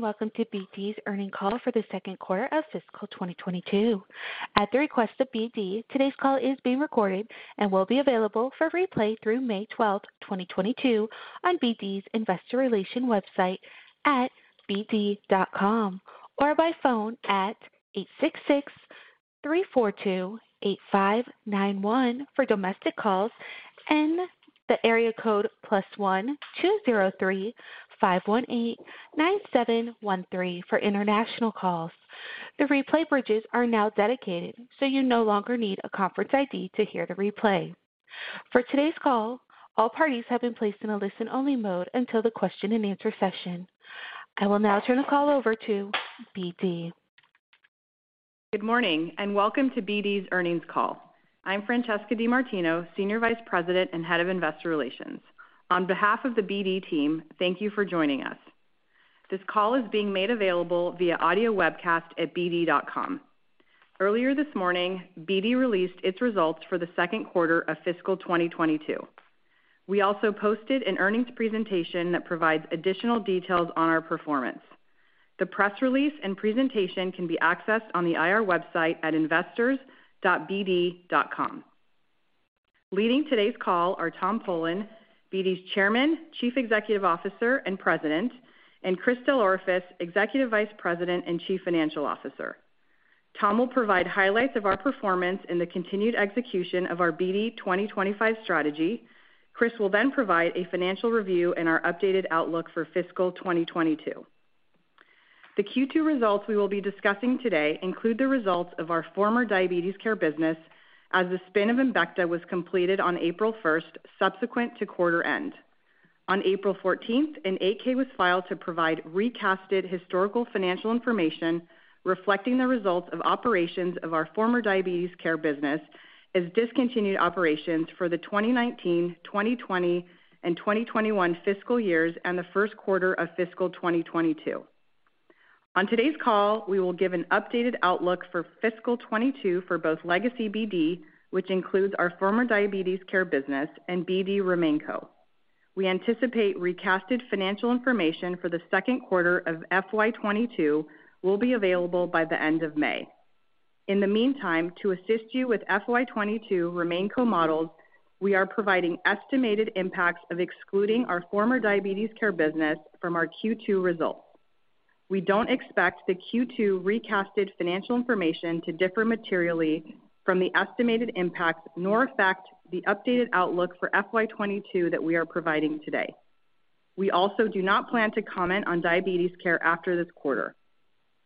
Welcome to BD's earnings call for the second quarter of fiscal 2022. At the request of BD, today's call is being recorded and will be available for replay through May 12, 2022 on BD's investor relations website at bd.com or by phone at 866-342-8591 for domestic calls and the area code plus 1-203-518-9713 for international calls. The replay bridges are now dedicated, so you no longer need a conference ID to hear the replay. For today's call, all parties have been placed in a listen-only mode until the question-and-answer session. I will now turn the call over to BD. Good morning, and welcome to BD's earnings call. I'm Francesca DeMartino, Senior Vice President and Head of Investor Relations. On behalf of the BD team, thank you for joining us. This call is being made available via audio webcast at bd.com. Earlier this morning, BD released its results for the second quarter of fiscal 2022. We also posted an earnings presentation that provides additional details on our performance. The press release and presentation can be accessed on the IR website at investors.bd.com. Leading today's call are Tom Polen, BD's Chairman, Chief Executive Officer, and President, and Chris DelOrefice, Executive Vice President and Chief Financial Officer. Tom will provide highlights of our performance and the continued execution of our BD 2025 strategy. Chris will then provide a financial review and our updated outlook for fiscal 2022. The Q2 results we will be discussing today include the results of our former diabetes care business as the spin-off of Embecta was completed on April 1, subsequent to quarter end. On April 14, an 8-K was filed to provide recast historical financial information reflecting the results of operations of our former diabetes care business as discontinued operations for the 2019, 2020, and 2021 fiscal years and the first quarter of fiscal 2022. On today's call, we will give an updated outlook for fiscal 2022 for both legacy BD, which includes our former diabetes care business, and BD RemainCo. We anticipate recast financial information for the second quarter of FY 2022 will be available by the end of May. In the meantime, to assist you with FY 2022 RemainCo models, we are providing estimated impacts of excluding our former diabetes care business from our Q2 results. We don't expect the Q2 recast financial information to differ materially from the estimated impacts nor affect the updated outlook for FY 2022 that we are providing today. We also do not plan to comment on diabetes care after this quarter.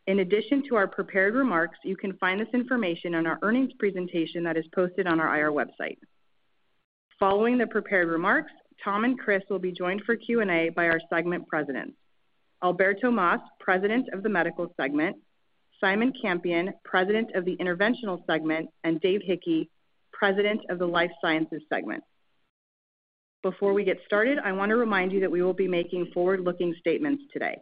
In addition to our prepared remarks, you can find this information on our earnings presentation that is posted on our IR website. Following the prepared remarks, Tom and Chris will be joined for Q&A by our segment presidents. Alberto Mas, President of the Medical Segment, Simon Campion, President of the Interventional Segment, and Dave Hickey, President of the Life Sciences Segment. Before we get started, I want to remind you that we will be making forward-looking statements today.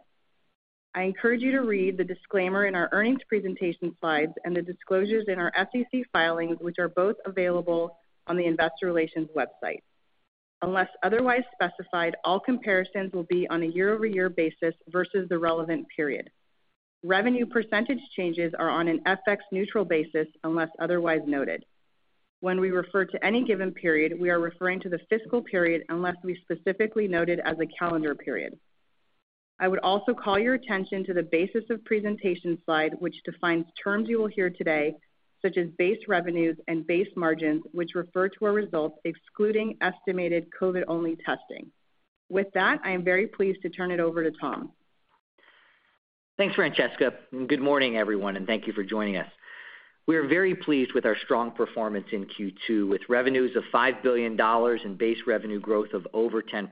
I encourage you to read the disclaimer in our earnings presentation slides and the disclosures in our SEC filings, which are both available on the Investor Relations website. Unless otherwise specified, all comparisons will be on a year-over-year basis versus the relevant period. Revenue percentage changes are on an FX neutral basis unless otherwise noted. When we refer to any given period, we are referring to the fiscal period unless we specifically note as a calendar period. I would also call your attention to the basis of presentation slide, which defines terms you will hear today, such as base revenues and base margins, which refer to our results excluding estimated COVID-only testing. With that, I am very pleased to turn it over to Tom. Thanks, Francesca, and good morning, everyone, and thank you for joining us. We are very pleased with our strong performance in Q2, with revenues of $5 billion and base revenue growth of over 10%.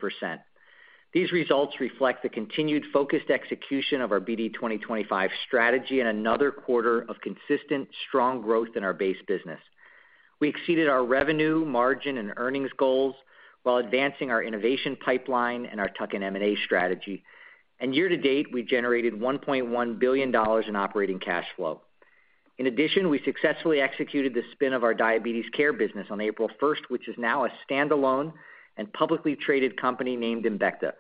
These results reflect the continued focused execution of our BD 2025 strategy and another quarter of consistent strong growth in our base business. We exceeded our revenue, margin, and earnings goals while advancing our innovation pipeline and our tuck-in M&A strategy. Year to date, we generated $1.1 billion in operating cash flow. In addition, we successfully executed the spin of our diabetes care business on April first, which is now a stand-alone and publicly traded company named Embecta.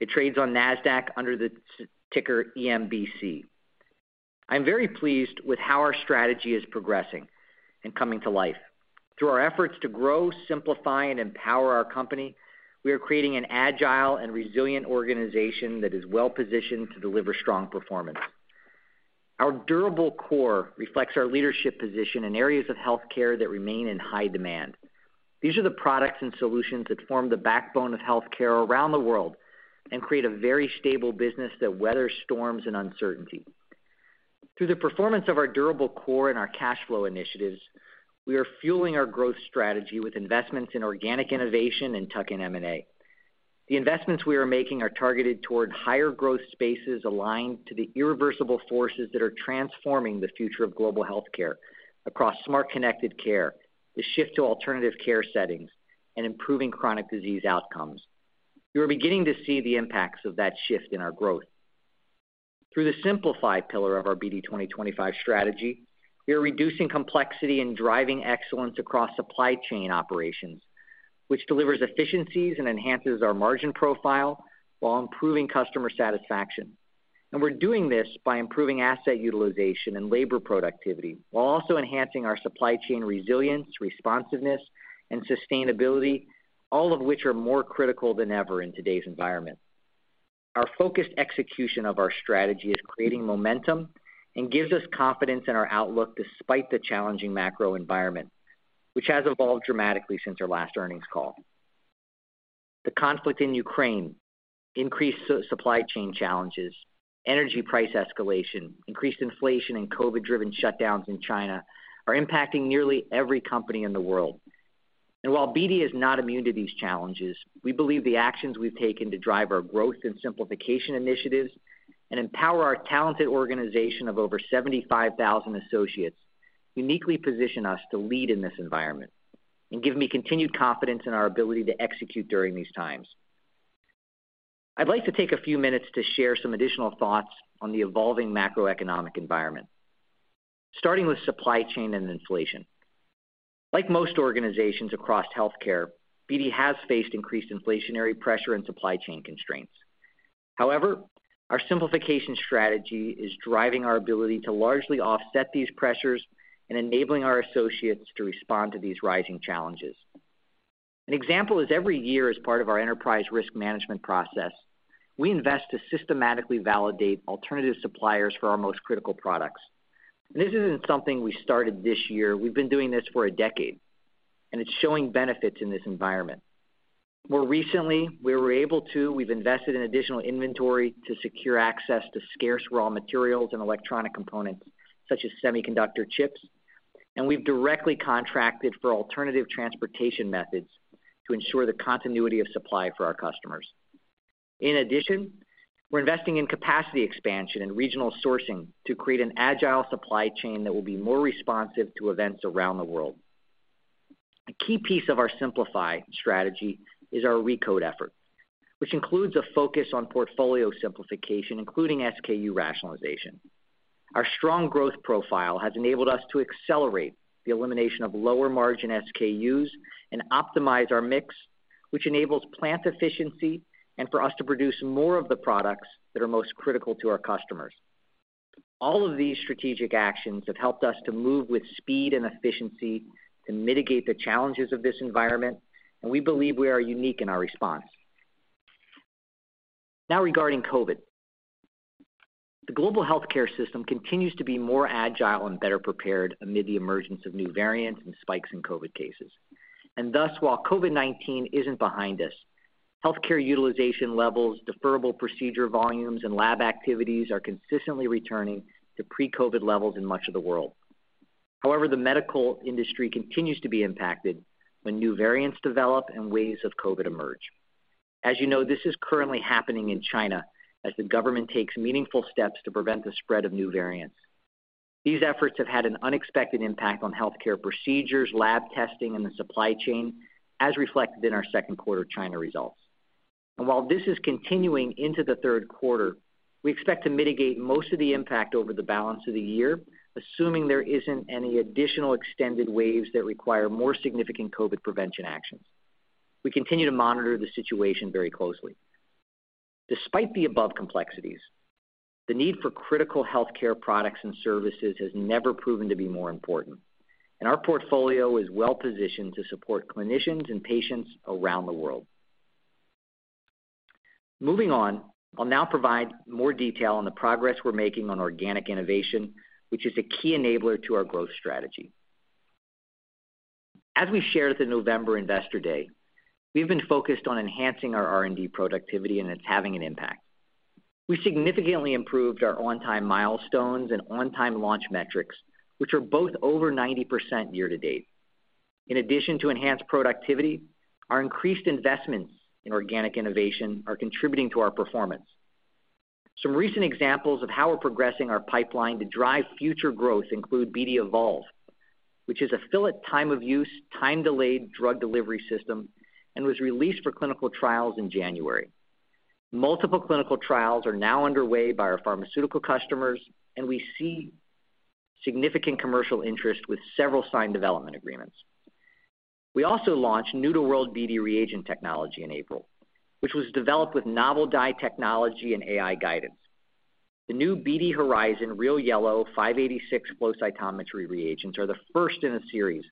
It trades on Nasdaq under the ticker EMBC. I'm very pleased with how our strategy is progressing and coming to life. Through our efforts to grow, simplify, and empower our company, we are creating an agile and resilient organization that is well-positioned to deliver strong performance. Our durable core reflects our leadership position in areas of healthcare that remain in high demand. These are the products and solutions that form the backbone of healthcare around the world and create a very stable business that weathers storms and uncertainty. Through the performance of our durable core and our cash flow initiatives, we are fueling our growth strategy with investments in organic innovation and tuck-in M&A. The investments we are making are targeted toward higher growth spaces aligned to the irreversible forces that are transforming the future of global healthcare across smart connected care, the shift to alternative care settings, and improving chronic disease outcomes. We are beginning to see the impacts of that shift in our growth. Through the simplified pillar of our BD 2025 strategy. We are reducing complexity and driving excellence across supply chain operations, which delivers efficiencies and enhances our margin profile while improving customer satisfaction. We're doing this by improving asset utilization and labor productivity while also enhancing our supply chain resilience, responsiveness, and sustainability, all of which are more critical than ever in today's environment. Our focused execution of our strategy is creating momentum and gives us confidence in our outlook despite the challenging macro environment, which has evolved dramatically since our last earnings call. The conflict in Ukraine, increased supply chain challenges, energy price escalation, increased inflation, and COVID-driven shutdowns in China are impacting nearly every company in the world. While BD is not immune to these challenges, we believe the actions we've taken to drive our growth and simplification initiatives and empower our talented organization of over 75,000 associates uniquely position us to lead in this environment and give me continued confidence in our ability to execute during these times. I'd like to take a few minutes to share some additional thoughts on the evolving macroeconomic environment, starting with supply chain and inflation. Like most organizations across healthcare, BD has faced increased inflationary pressure and supply chain constraints. However, our simplification strategy is driving our ability to largely offset these pressures and enabling our associates to respond to these rising challenges. An example is every year as part of our enterprise risk management process, we invest to systematically validate alternative suppliers for our most critical products. This isn't something we started this year. We've been doing this for a decade, and it's showing benefits in this environment. More recently, we've invested in additional inventory to secure access to scarce raw materials and electronic components such as semiconductor chips, and we've directly contracted for alternative transportation methods to ensure the continuity of supply for our customers. In addition, we're investing in capacity expansion and regional sourcing to create an agile supply chain that will be more responsive to events around the world. A key piece of our Simplify strategy is our RECODE effort, which includes a focus on portfolio simplification, including SKU rationalization. Our strong growth profile has enabled us to accelerate the elimination of lower-margin SKUs and optimize our mix, which enables plant efficiency and for us to produce more of the products that are most critical to our customers. All of these strategic actions have helped us to move with speed and efficiency to mitigate the challenges of this environment, and we believe we are unique in our response. Now regarding COVID. The global healthcare system continues to be more agile and better prepared amid the emergence of new variants and spikes in COVID cases. Thus, while COVID-19 isn't behind us, healthcare utilization levels, deferrable procedure volumes, and lab activities are consistently returning to pre-COVID levels in much of the world. However, the medical industry continues to be impacted when new variants develop and waves of COVID emerge. As you know, this is currently happening in China as the government takes meaningful steps to prevent the spread of new variants. These efforts have had an unexpected impact on healthcare procedures, lab testing, and the supply chain, as reflected in our second quarter China results. While this is continuing into the third quarter, we expect to mitigate most of the impact over the balance of the year, assuming there isn't any additional extended waves that require more significant COVID prevention actions. We continue to monitor the situation very closely. Despite the above complexities, the need for critical healthcare products and services has never proven to be more important, and our portfolio is well positioned to support clinicians and patients around the world. Moving on, I'll now provide more detail on the progress we're making on organic innovation, which is a key enabler to our growth strategy. As we shared at the November Investor Day, we've been focused on enhancing our R&D productivity, and it's having an impact. We significantly improved our on-time milestones and on-time launch metrics, which are both over 90% year to date. In addition to enhanced productivity, our increased investments in organic innovation are contributing to our performance. Some recent examples of how we're progressing our pipeline to drive future growth include BD Evolve, which is a fill-at-time-of-use, time-delayed drug delivery system, and was released for clinical trials in January. Multiple clinical trials are now underway by our pharmaceutical customers, and we see significant commercial interest with several signed development agreements. We also launched new-to-world BD reagent technology in April, which was developed with novel dye technology and AI guidance. The new BD Horizon RealYellow 586 flow cytometry reagents are the first in a series,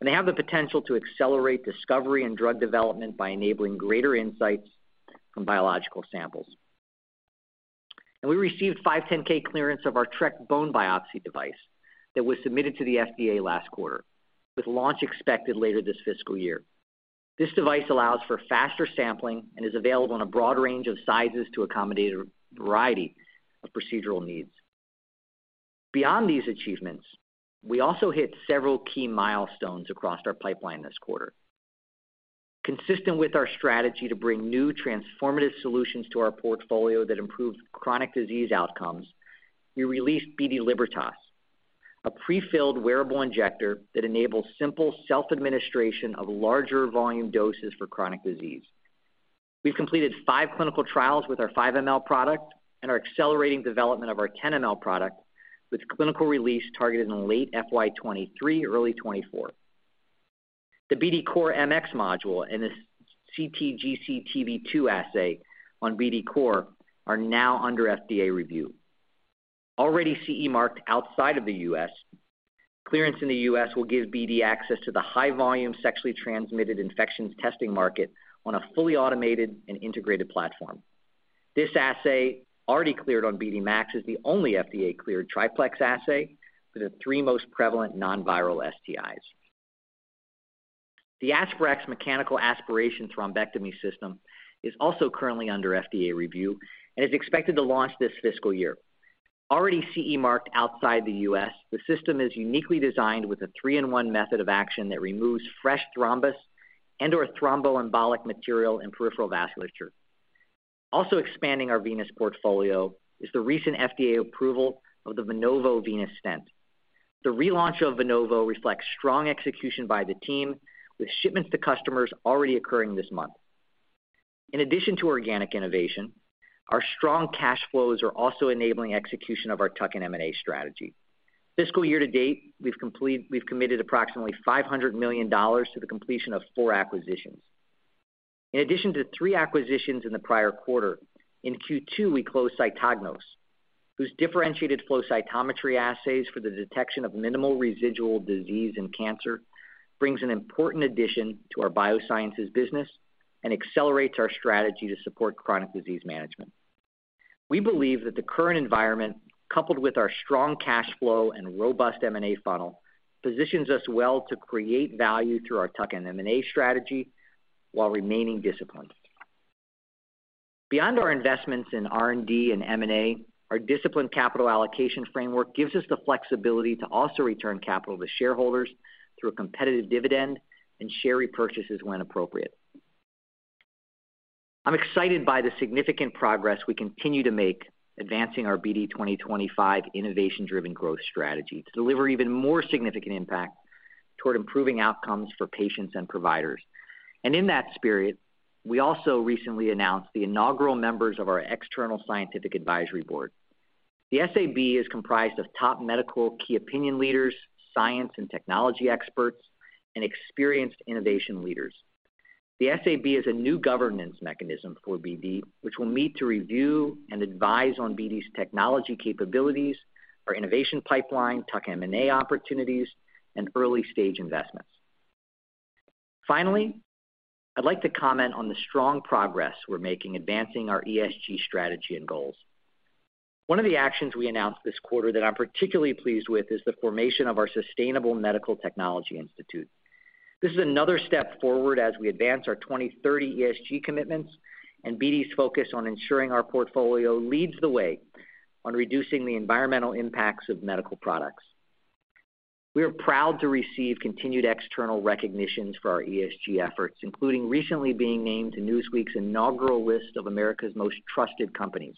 and they have the potential to accelerate discovery and drug development by enabling greater insights from biological samples. We received 510(k) clearance of our Trek bone biopsy device that was submitted to the FDA last quarter, with launch expected later this fiscal year. This device allows for faster sampling and is available in a broad range of sizes to accommodate a variety of procedural needs. Beyond these achievements, we also hit several key milestones across our pipeline this quarter. Consistent with our strategy to bring new transformative solutions to our portfolio that improve chronic disease outcomes, we released BD Libertas, a prefilled wearable injector that enables simple self-administration of larger volume doses for chronic disease. We've completed five clinical trials with our 5 mL product and are accelerating development of our 10 mL product with clinical release targeted in late FY 2023, early 2024. The BD COR MX module and the CTGCTV2 assay on BD COR are now under FDA review. Already CE marked outside of the U.S., clearance in the U.S. will give BD access to the high volume sexually transmitted infections testing market on a fully automated and integrated platform. This assay already cleared on BD MAX, is the only FDA-cleared triplex assay for the three most prevalent non-viral STIs. The Aspirex mechanical aspiration thrombectomy system is also currently under FDA review and is expected to launch this fiscal year. Already CE marked outside the U.S., the system is uniquely designed with a three-in-one method of action that removes fresh thrombus and/or thromboembolic material and peripheral vasculature. Also expanding our venous portfolio is the recent FDA approval of the Venovo venous stent. The relaunch of Venovo reflects strong execution by the team with shipments to customers already occurring this month. In addition to organic innovation, our strong cash flows are also enabling execution of our tuck-in M&A strategy. Fiscal year to date, we've committed approximately $500 million to the completion of four acquisitions. In addition to three acquisitions in the prior quarter, in Q2 we closed Cytognos, whose differentiated flow cytometry assays for the detection of minimal residual disease in cancer brings an important addition to our biosciences business and accelerates our strategy to support chronic disease management. We believe that the current environment, coupled with our strong cash flow and robust M&A funnel, positions us well to create value through our tuck-in M&A strategy while remaining disciplined. Beyond our investments in R&D and M&A, our disciplined capital allocation framework gives us the flexibility to also return capital to shareholders through a competitive dividend and share repurchases when appropriate. I'm excited by the significant progress we continue to make advancing our BD 2025 innovation-driven growth strategy to deliver even more significant impact toward improving outcomes for patients and providers. In that spirit, we also recently announced the inaugural members of our external scientific advisory board. The SAB is comprised of top medical key opinion leaders, science and technology experts, and experienced innovation leaders. The SAB is a new governance mechanism for BD, which will meet to review and advise on BD's technology capabilities, our innovation pipeline, tuck M&A opportunities, and early-stage investments. Finally, I'd like to comment on the strong progress we're making advancing our ESG strategy and goals. One of the actions we announced this quarter that I'm particularly pleased with is the formation of our Sustainable Medical Technology Institute. This is another step forward as we advance our 2030 ESG commitments and BD's focus on ensuring our portfolio leads the way on reducing the environmental impacts of medical products. We are proud to receive continued external recognitions for our ESG efforts, including recently being named to Newsweek's inaugural list of America's Most Trusted Companies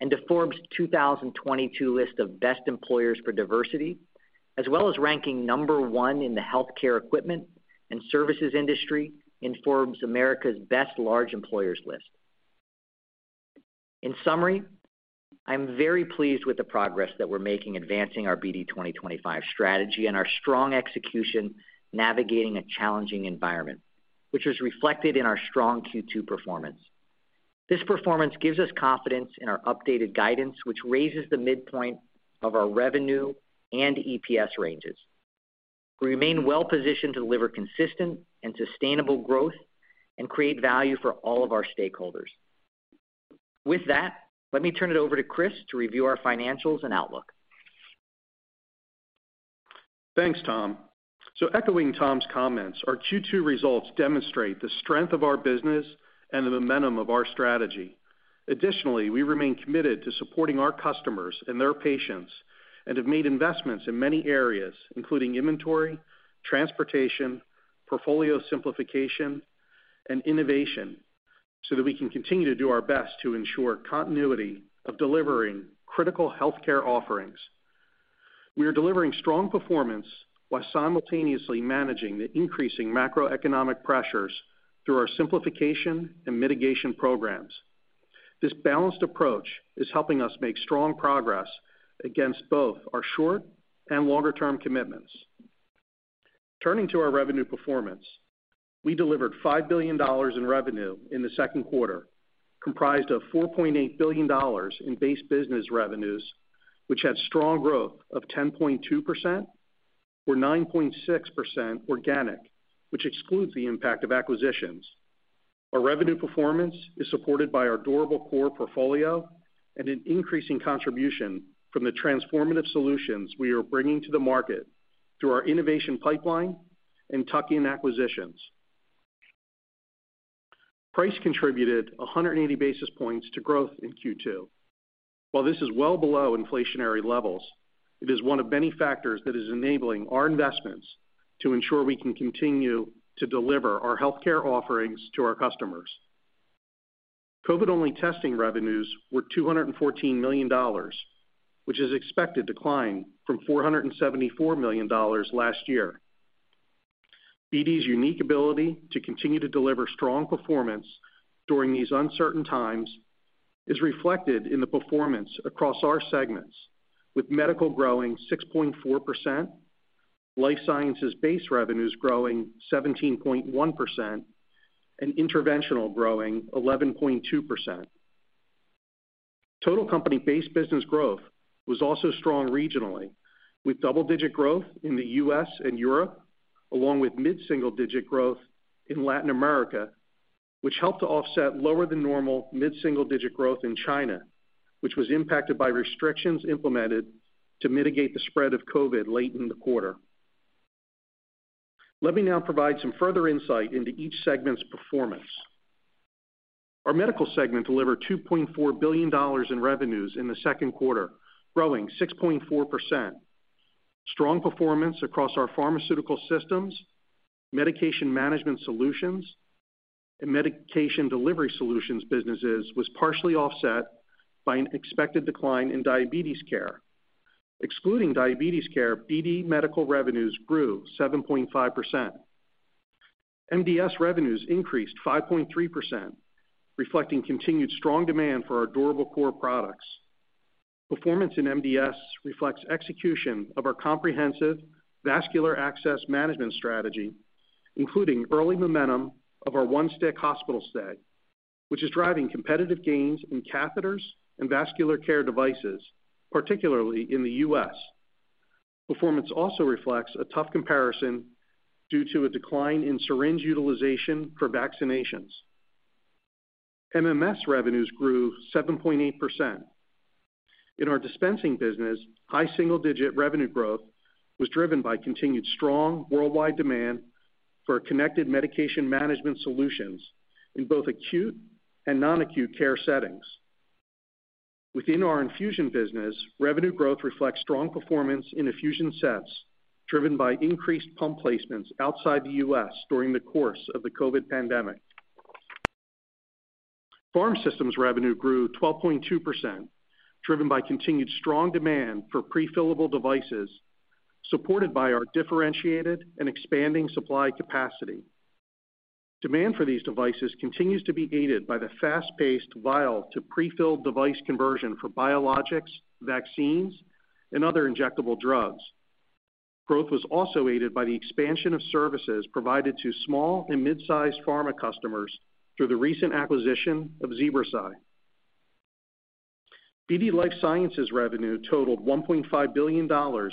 and to Forbes' 2022 list of Best Employers for Diversity, as well as ranking number one in the healthcare equipment and services industry in Forbes' America's Best Large Employers list. In summary, I'm very pleased with the progress that we're making advancing our BD 2025 strategy and our strong execution navigating a challenging environment, which was reflected in our strong Q2 performance. This performance gives us confidence in our updated guidance, which raises the midpoint of our revenue and EPS ranges. We remain well positioned to deliver consistent and sustainable growth and create value for all of our stakeholders. With that, let me turn it over to Chris to review our financials and outlook. Thanks, Tom. Echoing Tom's comments, our Q2 results demonstrate the strength of our business and the momentum of our strategy. Additionally, we remain committed to supporting our customers and their patients and have made investments in many areas, including inventory, transportation, portfolio simplification, and innovation, so that we can continue to do our best to ensure continuity of delivering critical healthcare offerings. We are delivering strong performance while simultaneously managing the increasing macroeconomic pressures through our simplification and mitigation programs. This balanced approach is helping us make strong progress against both our short and longer-term commitments. Turning to our revenue performance, we delivered $5 billion in revenue in the second quarter, comprised of $4.8 billion in base business revenues, which had strong growth of 10.2% or 9.6% organic, which excludes the impact of acquisitions. Our revenue performance is supported by our durable core portfolio and an increasing contribution from the transformative solutions we are bringing to the market through our innovation pipeline and tuck-in acquisitions. Price contributed 180 basis points to growth in Q2. While this is well below inflationary levels, it is one of many factors that is enabling our investments to ensure we can continue to deliver our healthcare offerings to our customers. COVID-only testing revenues were $214 million, which is expected to decline from $474 million last year. BD's unique ability to continue to deliver strong performance during these uncertain times is reflected in the performance across our segments, with Medical growing 6.4%, Life Sciences base revenues growing 17.1%, and Interventional growing 11.2%. Total company base business growth was also strong regionally, with double-digit growth in the U.S. and Europe, along with mid-single-digit growth in Latin America, which helped to offset lower than normal mid-single-digit growth in China, which was impacted by restrictions implemented to mitigate the spread of COVID-19 late in the quarter. Let me now provide some further insight into each segment's performance. Our medical segment delivered $2.4 billion in revenues in the second quarter, growing 6.4%. Strong performance across our Pharmaceutical Systems, medication management solutions, and medication delivery solutions businesses was partially offset by an expected decline in diabetes care. Excluding diabetes care, BD Medical revenues grew 7.5%. MDS revenues increased 5.3%, reflecting continued strong demand for our durable core products. Performance in MDS reflects execution of our comprehensive vascular access management strategy, including early momentum of our one-stick hospital stay, which is driving competitive gains in catheters and vascular care devices, particularly in the U.S. Performance also reflects a tough comparison due to a decline in syringe utilization for vaccinations. MMS revenues grew 7.8%. In our dispensing business, high single-digit revenue growth was driven by continued strong worldwide demand for connected medication management solutions in both acute and non-acute care settings. Within our infusion business, revenue growth reflects strong performance in infusion sets, driven by increased pump placements outside the U.S. during the course of the COVID pandemic. Pharmaceutical Systems revenue grew 12.2%, driven by continued strong demand for prefillable devices, supported by our differentiated and expanding supply capacity. Demand for these devices continues to be aided by the fast-paced vial to prefilled device conversion for biologics, vaccines, and other injectable drugs. Growth was also aided by the expansion of services provided to small and mid-sized pharma customers through the recent acquisition of ZebraSci. BD Life Sciences revenue totaled $1.5 billion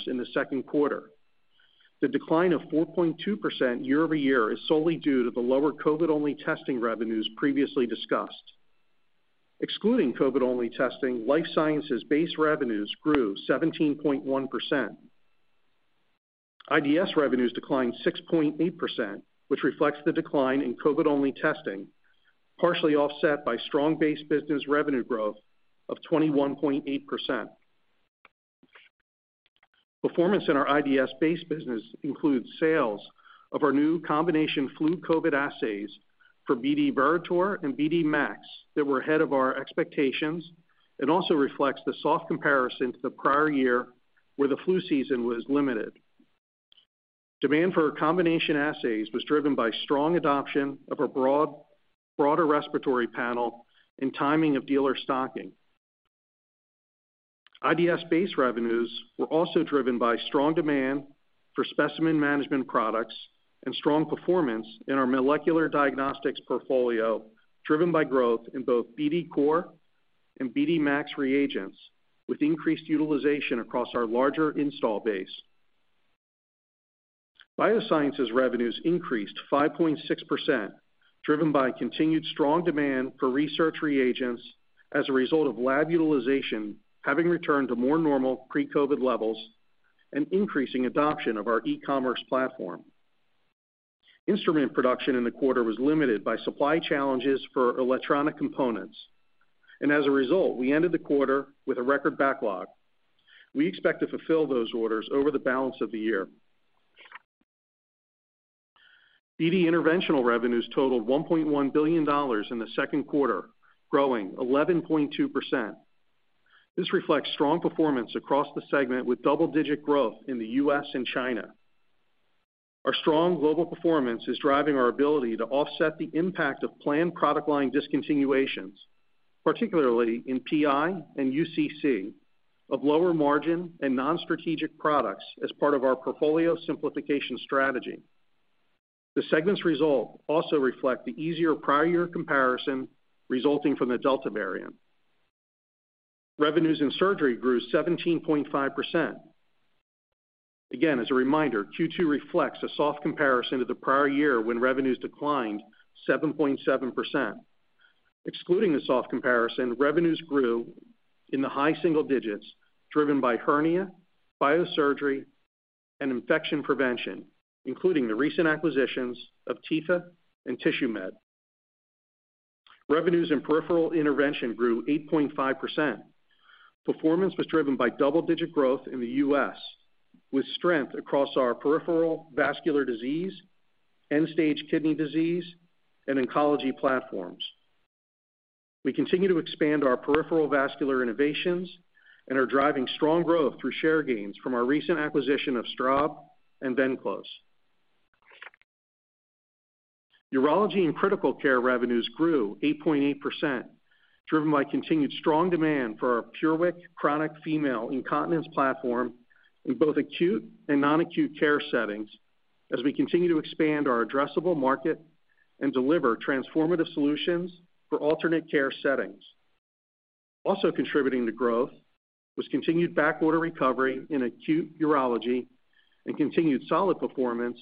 in the second quarter. The decline of 4.2% year-over-year is solely due to the lower COVID-only testing revenues previously discussed. Excluding COVID-only testing, Life Sciences base revenues grew 17.1%. IDS revenues declined 6.8%, which reflects the decline in COVID-only testing, partially offset by strong base business revenue growth of 21.8%. Performance in our IDS base business includes sales of our new combination flu COVID assays for BD Veritor and BD MAX that were ahead of our expectations. It also reflects the soft comparison to the prior year where the flu season was limited. Demand for our combination assays was driven by strong adoption of a broader respiratory panel and timing of dealer stocking. IDS base revenues were also driven by strong demand for specimen management products and strong performance in our molecular diagnostics portfolio, driven by growth in both BD COR and BD MAX reagents, with increased utilization across our larger install base. Biosciences revenues increased 5.6%, driven by continued strong demand for research reagents as a result of lab utilization having returned to more normal pre-COVID levels and increasing adoption of our e-commerce platform. Instrument production in the quarter was limited by supply challenges for electronic components, and as a result, we ended the quarter with a record backlog. We expect to fulfill those orders over the balance of the year. BD Interventional revenues totaled $1.1 billion in the second quarter, growing 11.2%. This reflects strong performance across the segment with double-digit growth in the U.S. and China. Our strong global performance is driving our ability to offset the impact of planned product line discontinuations, particularly in PI and UCC, of lower margin and non-strategic products as part of our portfolio simplification strategy. The segment's results also reflect the easier prior year comparison resulting from the Delta variant. Revenues in surgery grew 17.5%. Again, as a reminder, Q2 reflects a soft comparison to the prior year when revenues declined 7.7%. Excluding the soft comparison, revenues grew in the high single digits, driven by hernia, biosurgery, and infection prevention, including the recent acquisitions of Tepha and Tissuemed. Revenues in peripheral intervention grew 8.5%. Performance was driven by double-digit growth in the U.S. with strength across our peripheral vascular disease, end-stage kidney disease, and oncology platforms. We continue to expand our peripheral vascular innovations and are driving strong growth through share gains from our recent acquisition of Straub and Venclose. Urology and critical care revenues grew 8.8%, driven by continued strong demand for our PureWick chronic female incontinence platform in both acute and non-acute care settings as we continue to expand our addressable market and deliver transformative solutions for alternate care settings. Also contributing to growth was continued back order recovery in acute urology and continued solid performance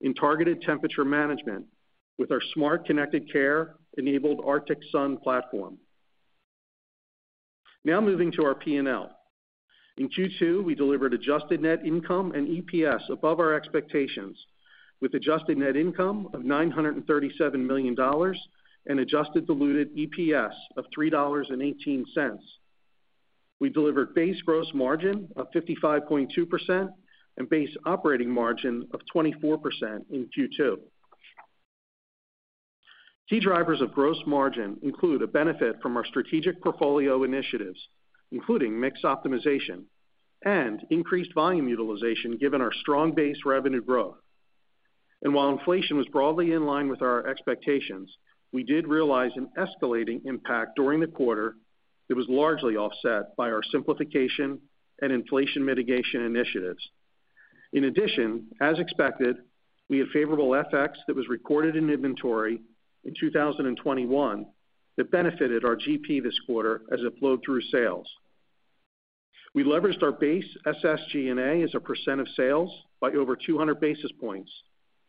in targeted temperature management with our smart connected care enabled Arctic Sun platform. Now moving to our P&L. In Q2, we delivered adjusted net income and EPS above our expectations, with adjusted net income of $937 million and adjusted diluted EPS of $3.18. We delivered base gross margin of 55.2% and base operating margin of 24% in Q2. Key drivers of gross margin include a benefit from our strategic portfolio initiatives, including mix optimization and increased volume utilization, given our strong base revenue growth. While inflation was broadly in line with our expectations, we did realize an escalating impact during the quarter that was largely offset by our simplification and inflation mitigation initiatives. In addition, as expected, we had favorable FX that was recorded in inventory in 2021 that benefited our GP this quarter as it flowed through sales. We leveraged our base SG&A as a % of sales by over 200 basis points,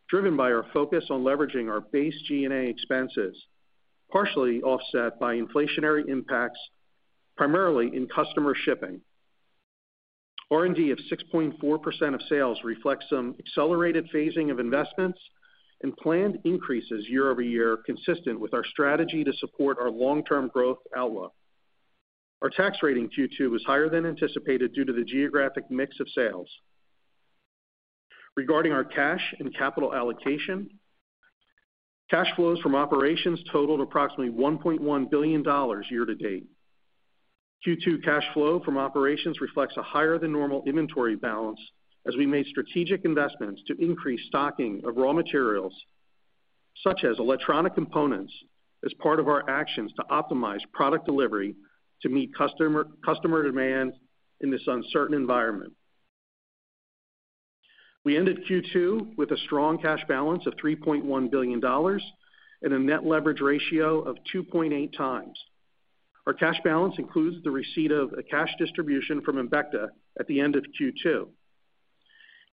driven by our focus on leveraging our base G&A expenses, partially offset by inflationary impacts, primarily in customer shipping. R&D of 6.4% of sales reflects some accelerated phasing of investments and planned increases year-over-year, consistent with our strategy to support our long-term growth outlook. Our tax rate in Q2 was higher than anticipated due to the geographic mix of sales. Regarding our cash and capital allocation, cash flows from operations totaled approximately $1.1 billion year to date. Q2 cash flow from operations reflects a higher than normal inventory balance as we made strategic investments to increase stocking of raw materials, such as electronic components, as part of our actions to optimize product delivery to meet customer demand in this uncertain environment. We ended Q2 with a strong cash balance of $3.1 billion and a net leverage ratio of 2.8x. Our cash balance includes the receipt of a cash distribution from Embecta at the end of Q2.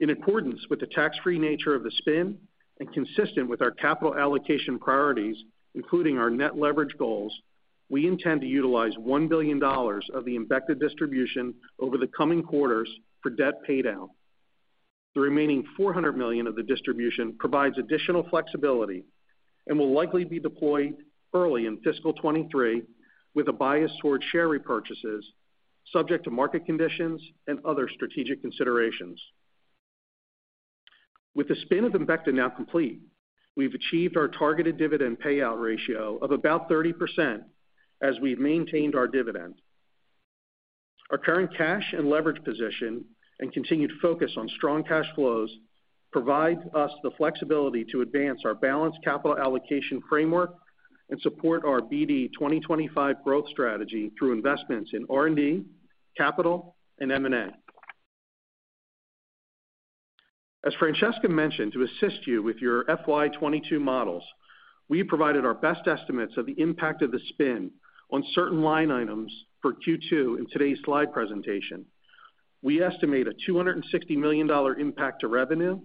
In accordance with the tax-free nature of the spin and consistent with our capital allocation priorities, including our net leverage goals, we intend to utilize $1 billion of the Embecta distribution over the coming quarters for debt paydown. The remaining $400 million of the distribution provides additional flexibility and will likely be deployed early in fiscal 2023 with a bias towards share repurchases subject to market conditions and other strategic considerations. With the spin of Embecta now complete, we've achieved our targeted dividend payout ratio of about 30% as we've maintained our dividend. Our current cash and leverage position and continued focus on strong cash flows provide us the flexibility to advance our balanced capital allocation framework and support our BD 2025 growth strategy through investments in R&D, capital, and M&A. As Francesca mentioned, to assist you with your FY 2022 models, we provided our best estimates of the impact of the spin on certain line items for Q2 in today's slide presentation. We estimate a $260 million impact to revenue,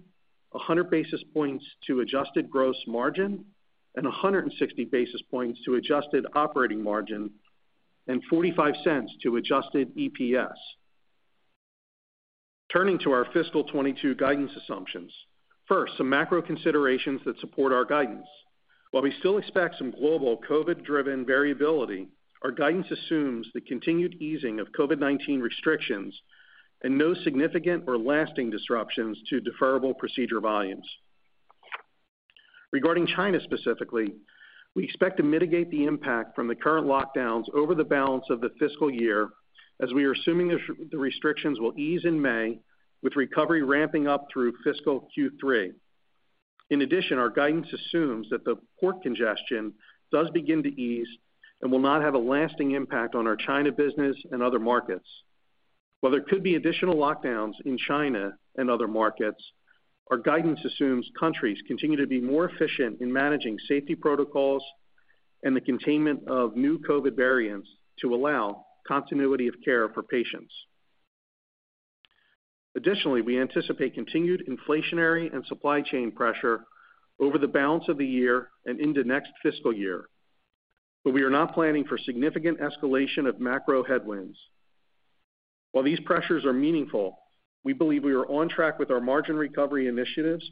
100 basis points to adjusted gross margin, and 160 basis points to adjusted operating margin, and $0.45 to adjusted EPS. Turning to our fiscal 2022 guidance assumptions. First, some macro considerations that support our guidance. While we still expect some global COVID-driven variability, our guidance assumes the continued easing of COVID-19 restrictions and no significant or lasting disruptions to deferrable procedure volumes. Regarding China specifically, we expect to mitigate the impact from the current lockdowns over the balance of the fiscal year as we are assuming the restrictions will ease in May with recovery ramping up through fiscal Q3. In addition, our guidance assumes that the port congestion does begin to ease and will not have a lasting impact on our China business and other markets. While there could be additional lockdowns in China and other markets, our guidance assumes countries continue to be more efficient in managing safety protocols and the containment of new COVID variants to allow continuity of care for patients. Additionally, we anticipate continued inflationary and supply chain pressure over the balance of the year and into next fiscal year. We are not planning for significant escalation of macro headwinds. While these pressures are meaningful, we believe we are on track with our margin recovery initiatives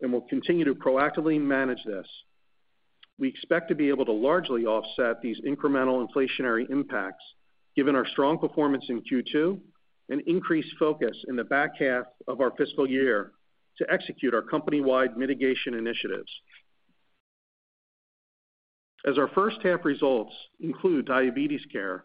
and will continue to proactively manage this. We expect to be able to largely offset these incremental inflationary impacts, given our strong performance in Q2 and increased focus in the back half of our fiscal year to execute our company-wide mitigation initiatives. As our first half results include diabetes care,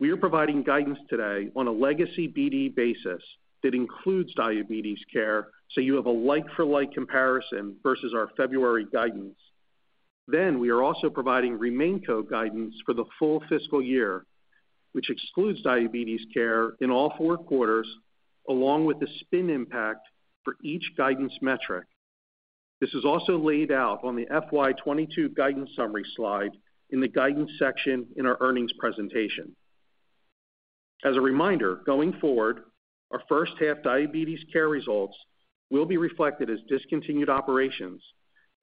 we are providing guidance today on a legacy BD basis that includes diabetes care, so you have a like-for-like comparison versus our February guidance. We are also providing RemainCo guidance for the full fiscal year, which excludes diabetes care in all four quarters, along with the spin impact for each guidance metric. This is also laid out on the FY 2022 guidance summary slide in the guidance section in our earnings presentation. As a reminder, going forward, our first half diabetes care results will be reflected as discontinued operations,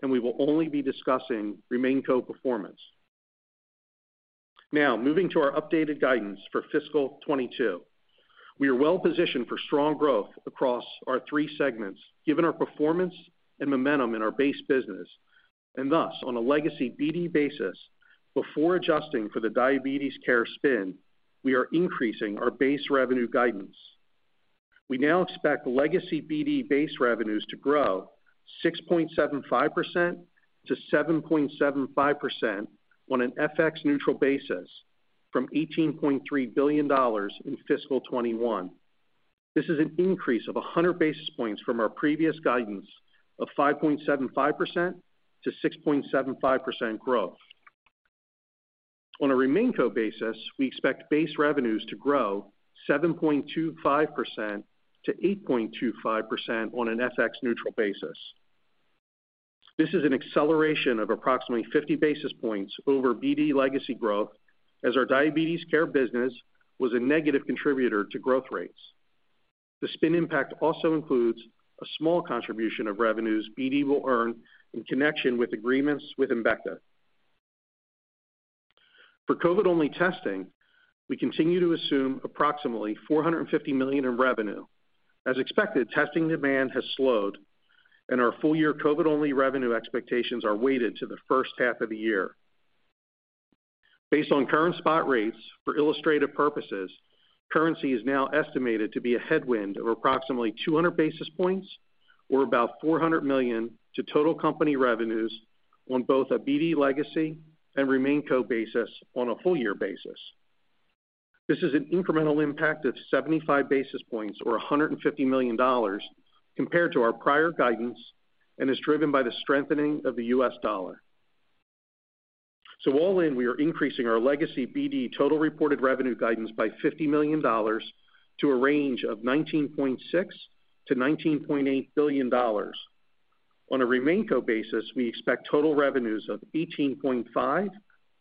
and we will only be discussing RemainCo performance. Now moving to our updated guidance for fiscal 2022. We are well-positioned for strong growth across our three segments given our performance and momentum in our base business. Thus, on a legacy BD basis, before adjusting for the diabetes care spin, we are increasing our base revenue guidance. We now expect legacy BD base revenues to grow 6.75%-7.75% on an FX neutral basis from $18.3 billion in fiscal 2021. This is an increase of 100 basis points from our previous guidance of 5.75%-6.75% growth. On a RemainCo basis, we expect base revenues to grow 7.25%-8.25% on an FX neutral basis. This is an acceleration of approximately 50 basis points over BD legacy growth as our diabetes care business was a negative contributor to growth rates. The spin impact also includes a small contribution of revenues BD will earn in connection with agreements with Embecta. For COVID-only testing, we continue to assume approximately $450 million in revenue. As expected, testing demand has slowed and our full year COVID-only revenue expectations are weighted to the first half of the year. Based on current spot rates for illustrative purposes, currency is now estimated to be a headwind of approximately 200 basis points or about $400 million to total company revenues on both a BD legacy and RemainCo basis on a full year basis. This is an incremental impact of 75 basis points or $150 million compared to our prior guidance and is driven by the strengthening of the U.S. dollar. All in, we are increasing our legacy BD total reported revenue guidance by $50 million to a range of $19.6 billion-$19.8 billion. On a RemainCo basis, we expect total revenues of $18.5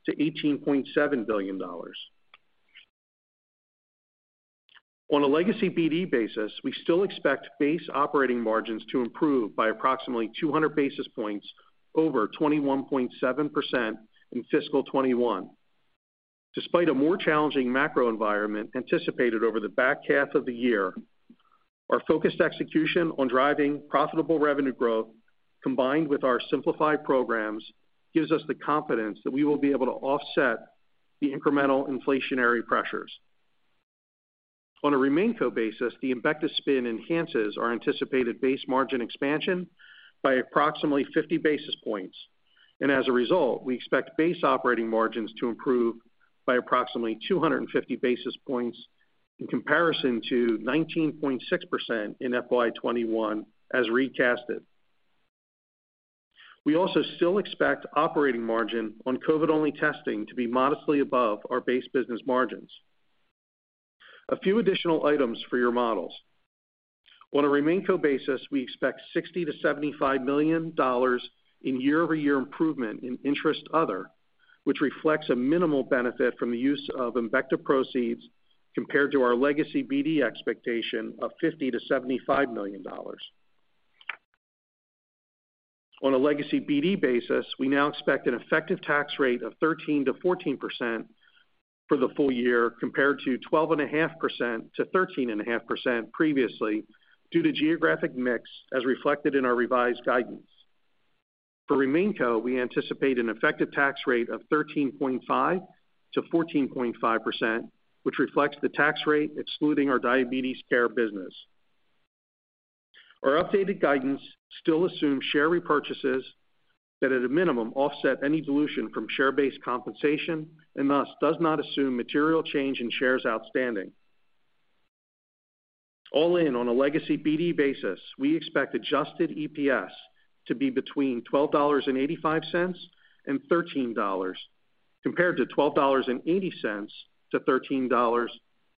billion-$18.7 billion. On a legacy BD basis, we still expect base operating margins to improve by approximately 200 basis points over 21.7% in fiscal 2021. Despite a more challenging macro environment anticipated over the back half of the year, our focused execution on driving profitable revenue growth, combined with our simplified programs, gives us the confidence that we will be able to offset the incremental inflationary pressures. On a RemainCo basis, the Embecta spin enhances our anticipated base margin expansion by approximately 50 basis points. As a result, we expect base operating margins to improve by approximately 250 basis points in comparison to 19.6% in FY 2021 as recast. We also still expect operating margin on COVID-only testing to be modestly above our base business margins. A few additional items for your models. On a RemainCo basis, we expect $60 million-$75 million in year-over-year improvement in interest and other, which reflects a minimal benefit from the use of Embecta proceeds compared to our legacy BD expectation of $50 million-$75 million. On a legacy BD basis, we now expect an effective tax rate of 13%-14% for the full year, compared to 12.5%-13.5% previously, due to geographic mix as reflected in our revised guidance. For RemainCo, we anticipate an effective tax rate of 13.5%-14.5%, which reflects the tax rate excluding our diabetes care business. Our updated guidance still assumes share repurchases that at a minimum offset any dilution from share-based compensation and thus does not assume material change in shares outstanding. All in on a legacy BD basis, we expect adjusted EPS to be between $12.85 and $13, compared to $12.80-$13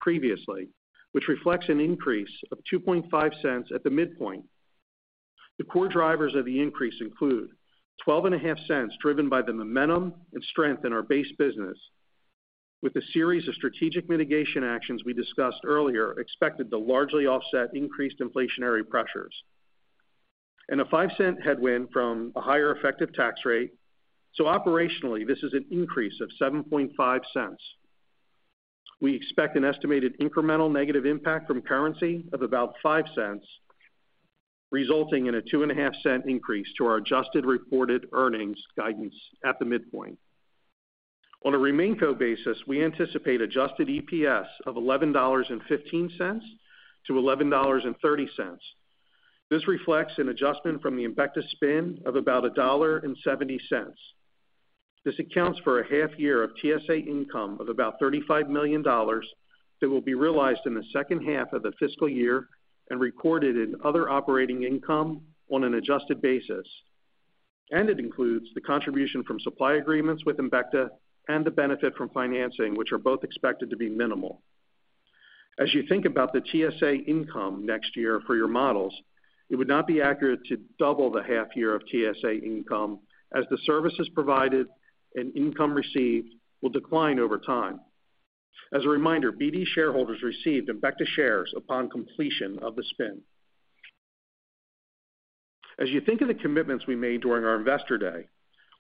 previously, which reflects an increase of $0.025 at the midpoint. The core drivers of the increase include $0.125 driven by the momentum and strength in our base business with a series of strategic mitigation actions we discussed earlier, expected to largely offset increased inflationary pressures, and a $0.05 headwind from a higher effective tax rate. Operationally, this is an increase of $0.075. We expect an estimated incremental negative impact from currency of about $0.05. Resulting in a $0.025 increase to our adjusted reported earnings guidance at the midpoint. On a RemainCo basis, we anticipate adjusted EPS of $11.15-$11.30. This reflects an adjustment from the Embecta spin of about $1.70. This accounts for a half year of TSA income of about $35 million that will be realized in the second half of the fiscal year and recorded in other operating income on an adjusted basis. It includes the contribution from supply agreements with Embecta and the benefit from financing, which are both expected to be minimal. As you think about the TSA income next year for your models, it would not be accurate to double the half year of TSA income as the services provided and income received will decline over time. As a reminder, BD shareholders received Embecta shares upon completion of the spin. As you think of the commitments we made during our Investor Day,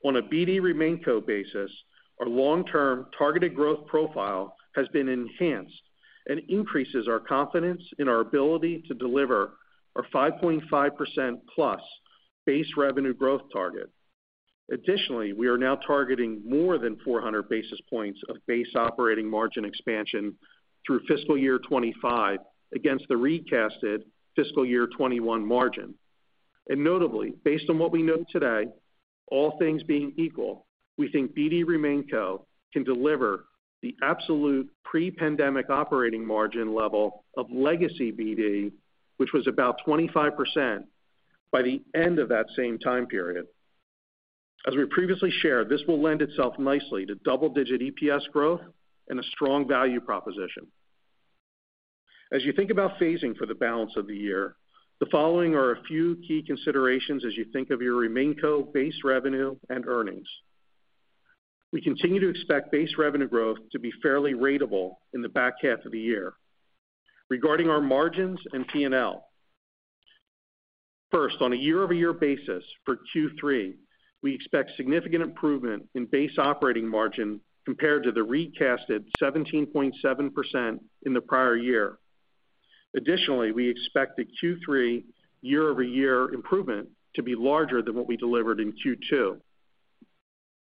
on a BD RemainCo basis, our long-term targeted growth profile has been enhanced and increases our confidence in our ability to deliver our 5.5%+ base revenue growth target. Additionally, we are now targeting more than 400 basis points of base operating margin expansion through fiscal year 2025 against the recast fiscal year 2021 margin. Notably, based on what we know today, all things being equal, we think BD RemainCo can deliver the absolute pre-pandemic operating margin level of legacy BD, which was about 25%, by the end of that same time period. As we previously shared, this will lend itself nicely to double-digit EPS growth and a strong value proposition. As you think about phasing for the balance of the year, the following are a few key considerations as you think of your RemainCo base revenue and earnings. We continue to expect base revenue growth to be fairly ratable in the back half of the year. Regarding our margins and P&L, first, on a year-over-year basis for Q3, we expect significant improvement in base operating margin compared to the recast 17.7% in the prior year. Additionally, we expect the Q3 year-over-year improvement to be larger than what we delivered in Q2.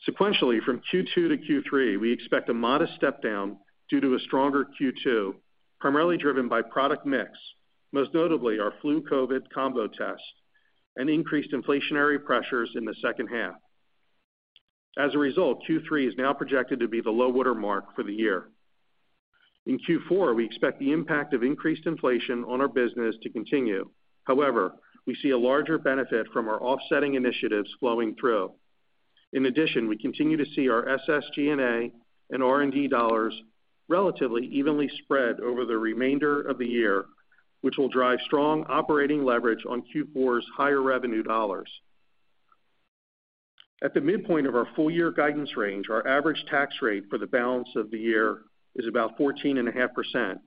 Sequentially, from Q2 to Q3, we expect a modest step down due to a stronger Q2, primarily driven by product mix, most notably our flu COVID combo test, and increased inflationary pressures in the second half. As a result, Q3 is now projected to be the low water mark for the year. In Q4, we expect the impact of increased inflation on our business to continue. However, we see a larger benefit from our offsetting initiatives flowing through. In addition, we continue to see our SSG&A and R&D dollars relatively evenly spread over the remainder of the year, which will drive strong operating leverage on Q4's higher revenue dollars. At the midpoint of our full year guidance range, our average tax rate for the balance of the year is about 14.5%,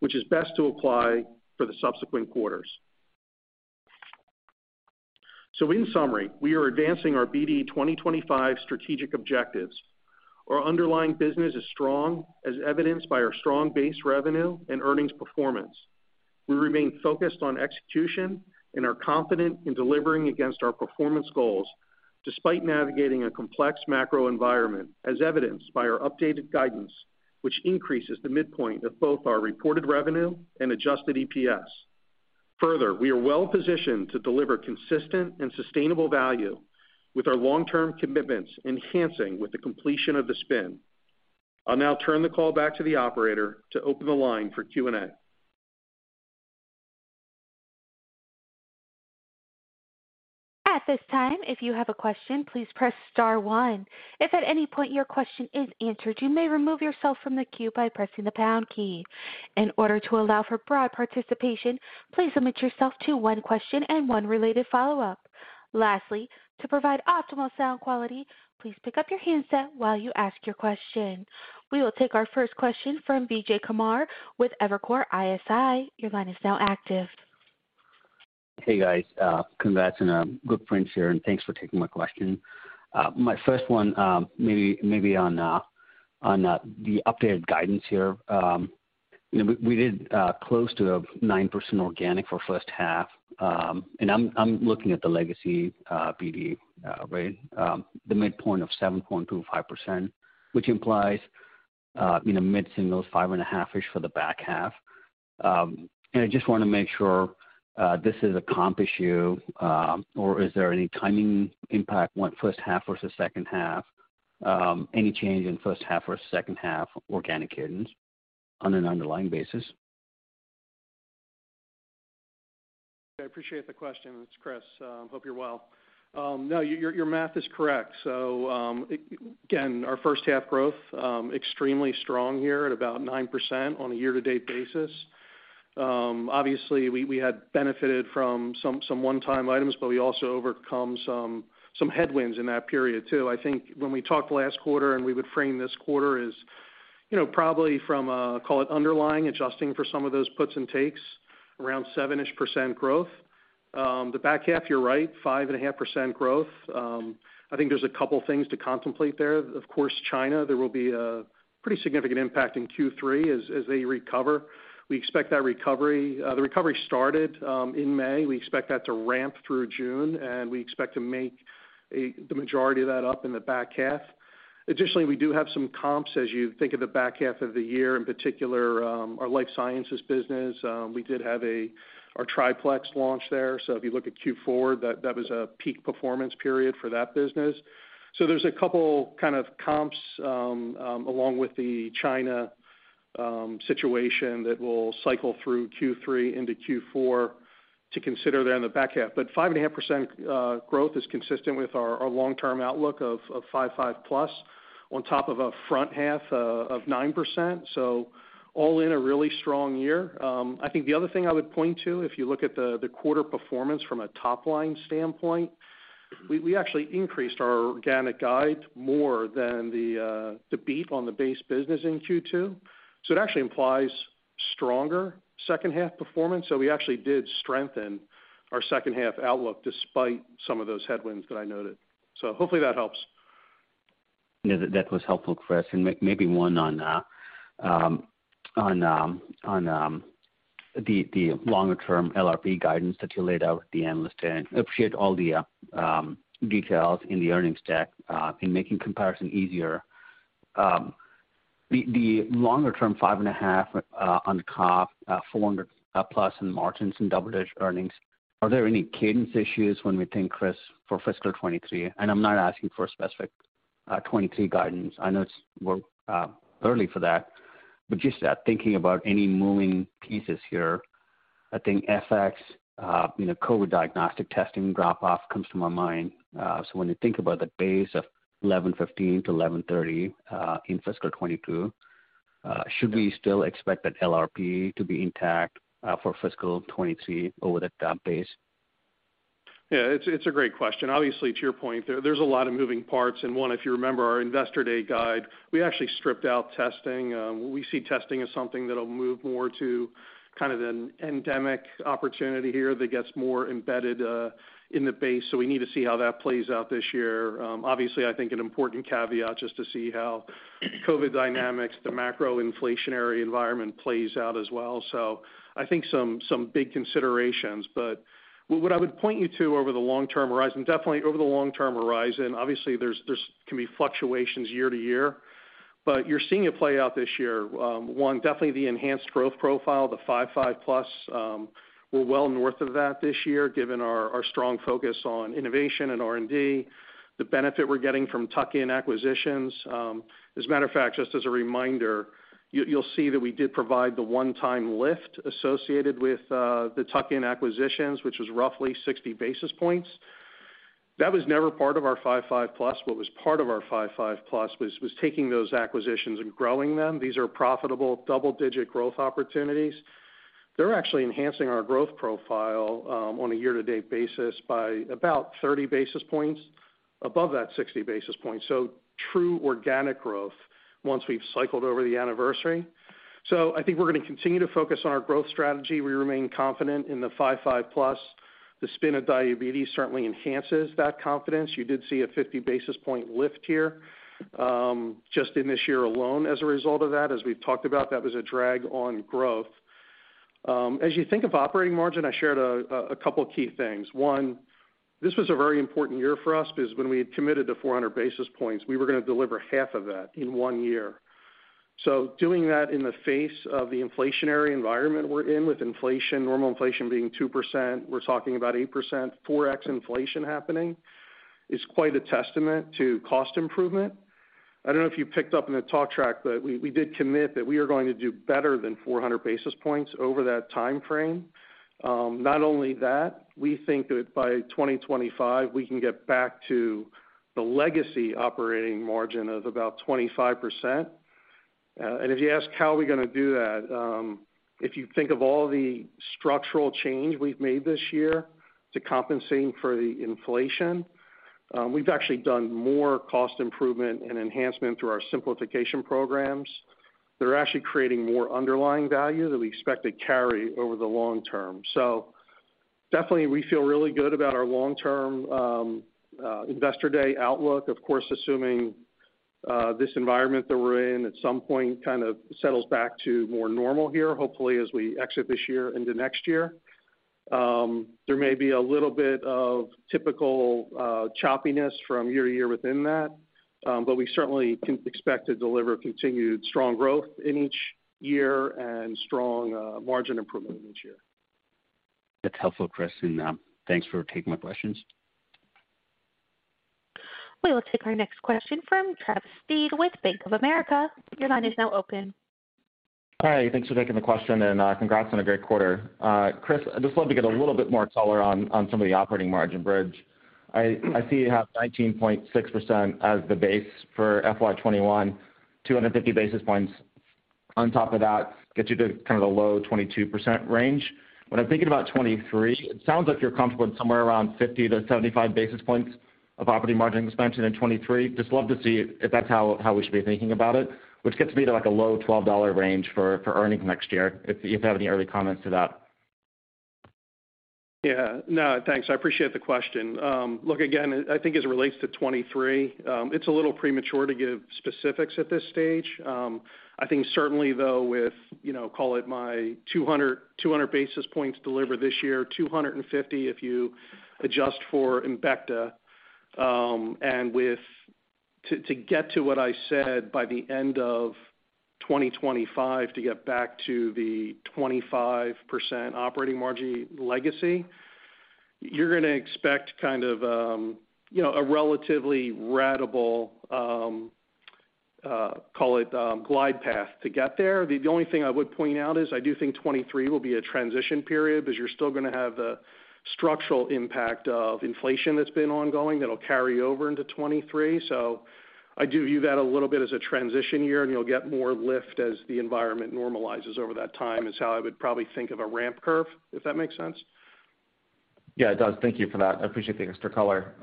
which is best to apply for the subsequent quarters. In summary, we are advancing our BD 2025 strategic objectives. Our underlying business is strong, as evidenced by our strong base revenue and earnings performance. We remain focused on execution and are confident in delivering against our performance goals, despite navigating a complex macro environment, as evidenced by our updated guidance, which increases the midpoint of both our reported revenue and adjusted EPS. Further, we are well positioned to deliver consistent and sustainable value with our long-term commitments enhancing with the completion of the spin. I'll now turn the call back to the operator to open the line for Q&A. At this time, if you have a question, please press star one. If at any point your question is answered, you may remove yourself from the queue by pressing the pound key. In order to allow for broad participation, please limit yourself to one question and one related follow-up. Lastly, to provide optimal sound quality, please pick up your handset while you ask your question. We will take our first question from Vijay Kumar with Evercore ISI. Your line is now active. Hey, guys. Congrats on good prints here, and thanks for taking my question. My first one, maybe on the updated guidance here. You know, we did close to a 9% organic for first half. I'm looking at the legacy BD, right? The midpoint of 7.25%, which implies you know, mid-single, 5.5%-ish for the back half. I just wanna make sure this is a comp issue, or is there any timing impact when first half versus second half? Any change in first half or second half organic guidance on an underlying basis? I appreciate the question. It's Chris. Hope you're well. No, your math is correct. Again, our first half growth extremely strong here at about 9% on a year-to-date basis. Obviously we had benefited from some one-time items, but we also overcome some headwinds in that period too. I think when we talked last quarter, we would frame this quarter as, you know, probably from a, call it underlying, adjusting for some of those puts and takes, around 7-ish% growth. The back half, you're right, 5.5% growth. I think there's a couple things to contemplate there. Of course, China, there will be a pretty significant impact in Q3 as they recover. We expect that recovery, the recovery started in May. We expect that to ramp through June, and we expect to make the majority of that up in the back half. Additionally, we do have some comps as you think of the back half of the year, in particular, our life sciences business. We did have our Triplex launch there. If you look at Q4, that was a peak performance period for that business. There's a couple kind of comps along with the China situation that will cycle through Q3 into Q4 to consider there in the back half. 5.5% growth is consistent with our long-term outlook of 5/5 plus on top of a front half of 9%. All in a really strong year. I think the other thing I would point to, if you look at the quarter performance from a top-line standpoint, we actually increased our organic guide more than the beat on the base business in Q2. It actually implies stronger second half performance. We actually did strengthen our second half outlook despite some of those headwinds that I noted. Hopefully that helps. Yeah, that was helpful, Chris. Maybe one on the longer term LRP guidance that you laid out with the analyst and appreciate all the details in the earnings deck in making comparison easier. The longer term 5.5 on the top 400 plus in margins and double-digit earnings. Are there any cadence issues when we think, Chris, for fiscal 2023? I'm not asking for specific 2023 guidance. I know we're early for that, but just thinking about any moving pieces here. I think FX, you know, COVID diagnostic testing drop off comes to my mind. When you think about the base of $11.15-$11.30 in fiscal 2022, should we still expect that LRP to be intact for fiscal 2023 over the comp base? Yeah, it's a great question. Obviously, to your point, there's a lot of moving parts. One, if you remember our Investor Day guide, we actually stripped out testing. We see testing as something that'll move more to kind of an endemic opportunity here that gets more embedded in the base. We need to see how that plays out this year. Obviously, I think an important caveat just to see how COVID dynamics, the macro inflationary environment plays out as well. I think some big considerations. What I would point you to over the long-term horizon, definitely over the long-term horizon, obviously, there can be fluctuations year to year, but you're seeing it play out this year. One, definitely the enhanced growth profile, the 5/5 plus. We're well north of that this year, given our strong focus on innovation and R&D. The benefit we're getting from tuck-in acquisitions. As a matter of fact, just as a reminder, you'll see that we did provide the one-time lift associated with the tuck-in acquisitions, which was roughly 60 basis points. That was never part of our 5/5 plus. What was part of our 5/5 plus was taking those acquisitions and growing them. These are profitable double-digit growth opportunities. They're actually enhancing our growth profile, on a year-to-date basis by about 30 basis points above that 60 basis points. True organic growth once we've cycled over the anniversary. I think we're gonna continue to focus on our growth strategy. We remain confident in the 5/5 plus. The spin-off of diabetes certainly enhances that confidence. You did see a 50 basis point lift here, just in this year alone as a result of that. As we've talked about, that was a drag on growth. As you think of operating margin, I shared a couple of key things. One, this was a very important year for us because when we had committed to 400 basis points, we were gonna deliver half of that in one year. Doing that in the face of the inflationary environment we're in with inflation, normal inflation being 2%, we're talking about 8%, 4x inflation happening, is quite a testament to cost improvement. I don't know if you picked up in the talk track, but we did commit that we are going to do better than 400 basis points over that timeframe. Not only that, we think that by 2025, we can get back to the legacy operating margin of about 25%. If you ask, how are we gonna do that? If you think of all the structural change we've made this year to compensate for the inflation, we've actually done more cost improvement and enhancement through our simplification programs that are actually creating more underlying value that we expect to carry over the long term. Definitely we feel really good about our long-term Investor Day outlook. Of course, assuming this environment that we're in at some point kind of settles back to more normal here, hopefully, as we exit this year into next year. There may be a little bit of typical choppiness from year to year within that, but we certainly can expect to deliver continued strong growth in each year and strong margin improvement each year. That's helpful, Chris, and thanks for taking my questions. We will take our next question from Travis Steed with Bank of America. Your line is now open. Hi. Thanks for taking the question and congrats on a great quarter. Chris, I'd just love to get a little bit more color on some of the operating margin bridge. I see you have 19.6% as the base for FY 2021, 250 basis points on top of that gets you to kind of the low 22% range. When I'm thinking about 2023, it sounds like you're comfortable in somewhere around 50-75 basis points of operating margin expansion in 2023. Just love to see if that's how we should be thinking about it, which gets me to like a low $12 range for earnings next year, if you have any early comments on that. Yeah. No, thanks. I appreciate the question. Look, again, I think as it relates to 2023, it's a little premature to give specifics at this stage. I think certainly though with, you know, call it my 200 basis points delivered this year, 250 if you adjust for Embecta, and to get to what I said by the end of 2025 to get back to the 25% operating margin legacy, you're gonna expect kind of, you know, a relatively ratable, call it, glide path to get there. The only thing I would point out is I do think 2023 will be a transition period because you're still gonna have the structural impact of inflation that's been ongoing that'll carry over into 2023. I do view that a little bit as a transition year, and you'll get more lift as the environment normalizes over that time. It's how I would probably think of a ramp curve, if that makes sense. Yeah, it does. Thank you for that. I appreciate the extra color.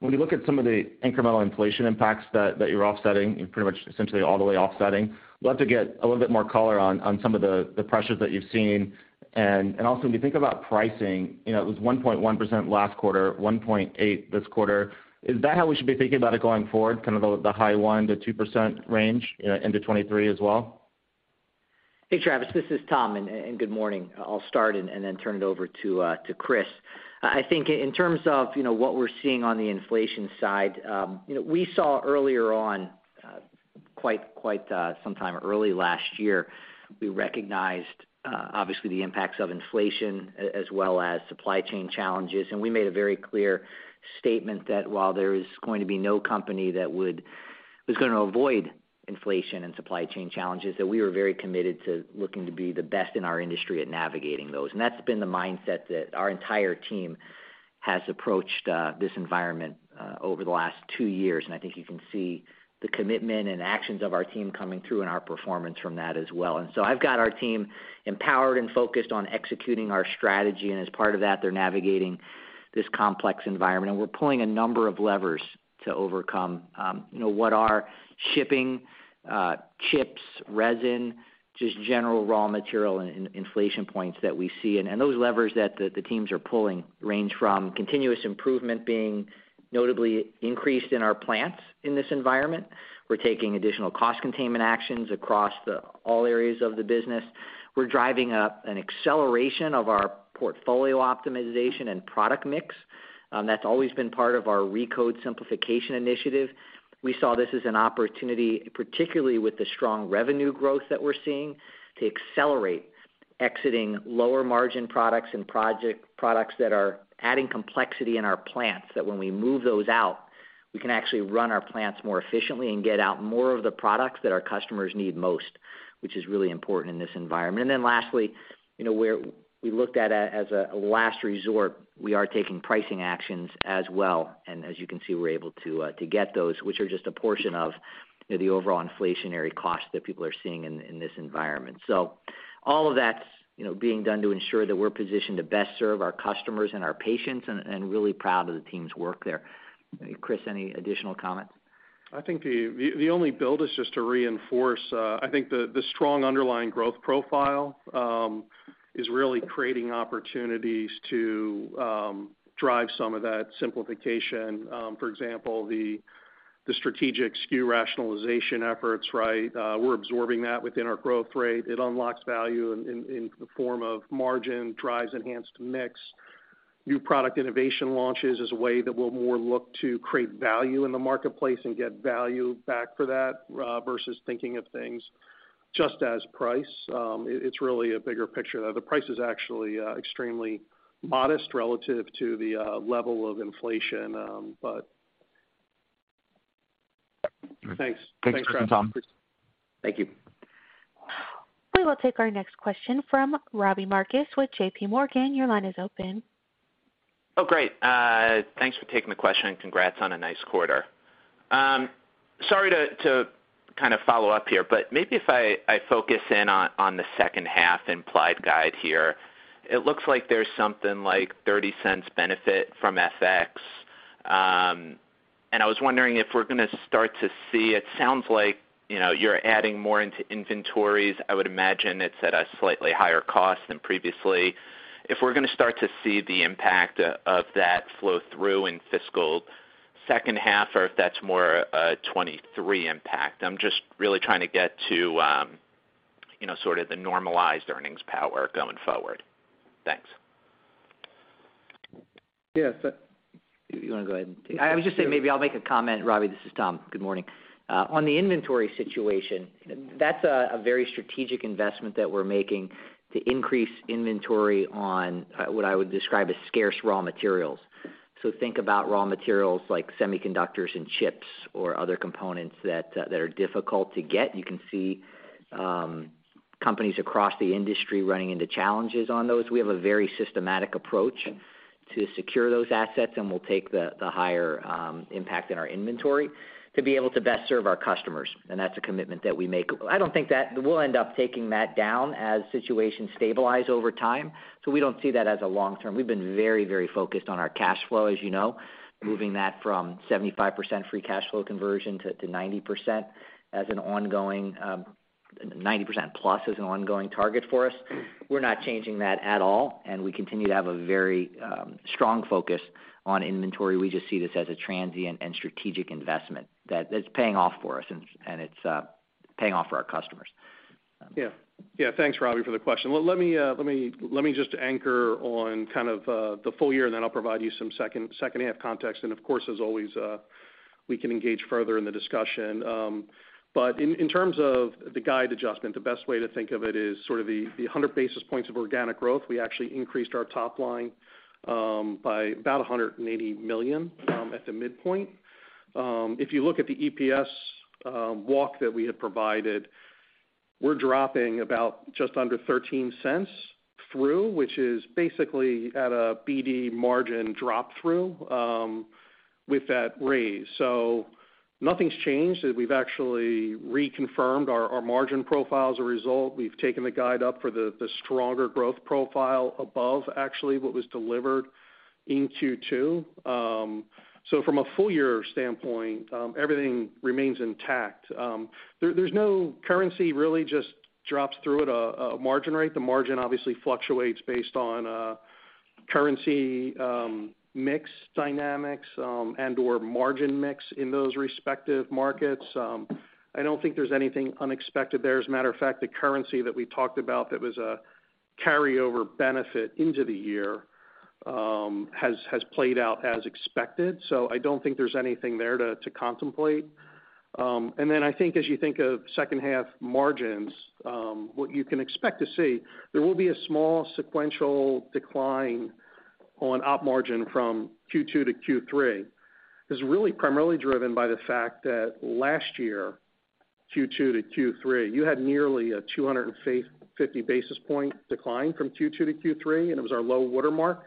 When you look at some of the incremental inflation impacts that you're offsetting, you're pretty much essentially all the way offsetting. Love to get a little bit more color on some of the pressures that you've seen. Also when you think about pricing, you know, it was 1.1% last quarter, 1.8% this quarter. Is that how we should be thinking about it going forward, kind of the high 1%-2% range into 2023 as well? Hey, Travis, this is Tom and good morning. I'll start and then turn it over to Chris. I think in terms of, you know, what we're seeing on the inflation side, you know, we saw earlier on, quite some time early last year, we recognized, obviously the impacts of inflation as well as supply chain challenges. We made a very clear statement that while there is going to be no company that is gonna avoid inflation and supply chain challenges, that we were very committed to looking to be the best in our industry at navigating those. That's been the mindset that our entire team has approached, this environment, over the last two years. I think you can see the commitment and actions of our team coming through in our performance from that as well. I've got our team empowered and focused on executing our strategy. As part of that, they're navigating this complex environment. We're pulling a number of levers to overcome what are shipping, chips, resin, just general raw material and inflation points that we see. Those levers that the teams are pulling range from continuous improvement being notably increased in our plants in this environment. We're taking additional cost containment actions across all areas of the business. We're driving up an acceleration of our portfolio optimization and product mix. That's always been part of our RECODE simplification initiative. We saw this as an opportunity, particularly with the strong revenue growth that we're seeing, to accelerate exiting lower margin products and project products that are adding complexity in our plants, that when we move those out, we can actually run our plants more efficiently and get out more of the products that our customers need most, which is really important in this environment. Then lastly, you know, where we looked at, as a last resort, we are taking pricing actions as well. As you can see, we're able to get those, which are just a portion of the overall inflationary costs that people are seeing in this environment. All of that's, you know, being done to ensure that we're positioned to best serve our customers and our patients, and really proud of the team's work there. Chris, any additional comments? I think the only build is just to reinforce. I think the strong underlying growth profile is really creating opportunities to drive some of that simplification. For example, the strategic SKU rationalization efforts, right? We're absorbing that within our growth rate. It unlocks value in the form of margin, drives enhanced mix. New product innovation launches is a way that we'll more look to create value in the marketplace and get value back for that versus thinking of things just as price. It's really a bigger picture. The price is actually extremely modest relative to the level of inflation, but... Thanks. Thanks, Chris and Tom. Thank you. We will take our next question from Robbie Marcus with JPMorgan. Your line is open. Thanks for taking the question, and congrats on a nice quarter. Sorry to kind of follow up here, but maybe if I focus in on the second half implied guide here. It looks like there's something like $0.30 benefit from FX. I was wondering if we're gonna start to see, it sounds like, you know, you're adding more into inventories. I would imagine it's at a slightly higher cost than previously. If we're gonna start to see the impact of that flow through in fiscal second half, or if that's more a 2023 impact. I'm just really trying to get to, you know, sort of the normalized earnings power going forward. Thanks. Yeah. You wanna go ahead? I was just saying maybe I'll make a comment. Robbie, this is Tom. Good morning. On the inventory situation, that's a very strategic investment that we're making to increase inventory on what I would describe as scarce raw materials. Think about raw materials like semiconductors and chips or other components that are difficult to get. You can see companies across the industry running into challenges on those. We have a very systematic approach to secure those assets, and we'll take the higher impact in our inventory to be able to best serve our customers. That's a commitment that we make. I don't think that we'll end up taking that down as situations stabilize over time. We don't see that as a long-term. We've been very, very focused on our cash flow, as you know, moving that from 75% free cash flow conversion to ninety percent as an ongoing, ninety percent plus as an ongoing target for us. We're not changing that at all, and we continue to have a very, strong focus on inventory. We just see this as a transient and strategic investment that's paying off for us and it's paying off for our customers. Yeah. Yeah, thanks, Robbie, for the question. Let me just anchor on kind of the full year, and then I'll provide you some second half context. Of course, as always, we can engage further in the discussion. But in terms of the guide adjustment, the best way to think of it is sort of the 100 basis points of organic growth. We actually increased our top line by about $180 million at the midpoint. If you look at the EPS walk that we had provided, we're dropping about just under $0.13 through, which is basically at a BD margin drop through with that raise. Nothing's changed. We've actually reconfirmed our margin profile as a result. We've taken the guide up for the stronger growth profile above actually what was delivered in Q2. From a full year standpoint, everything remains intact. There's no currency really just drops through at a margin rate. The margin obviously fluctuates based on currency mix dynamics and/or margin mix in those respective markets. I don't think there's anything unexpected there. As a matter of fact, the currency that we talked about that was a carryover benefit into the year has played out as expected. I don't think there's anything there to contemplate. I think as you think of second half margins, what you can expect to see, there will be a small sequential decline on op margin from Q2 to Q3. It's really primarily driven by the fact that last year, Q2 to Q3, you had nearly a 250 basis point decline from Q2 to Q3, and it was our low water mark.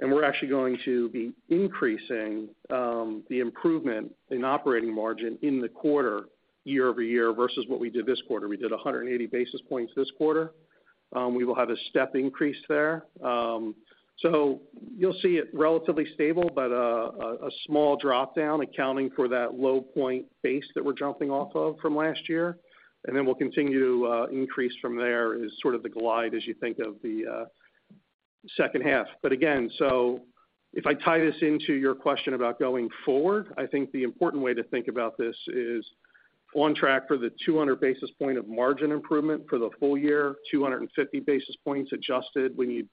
We're actually going to be increasing the improvement in operating margin in the quarter, year-over-year versus what we did this quarter. We did 180 basis points this quarter. We will have a step increase there. You'll see it relatively stable, but a small drop-down accounting for that low point base that we're jumping off of from last year. We'll continue to increase from there is sort of the glide as you think of the second half. Again, if I tie this into your question about going forward, I think the important way to think about this is on track for the 200 basis points of margin improvement for the full year, 250 basis points adjusted when you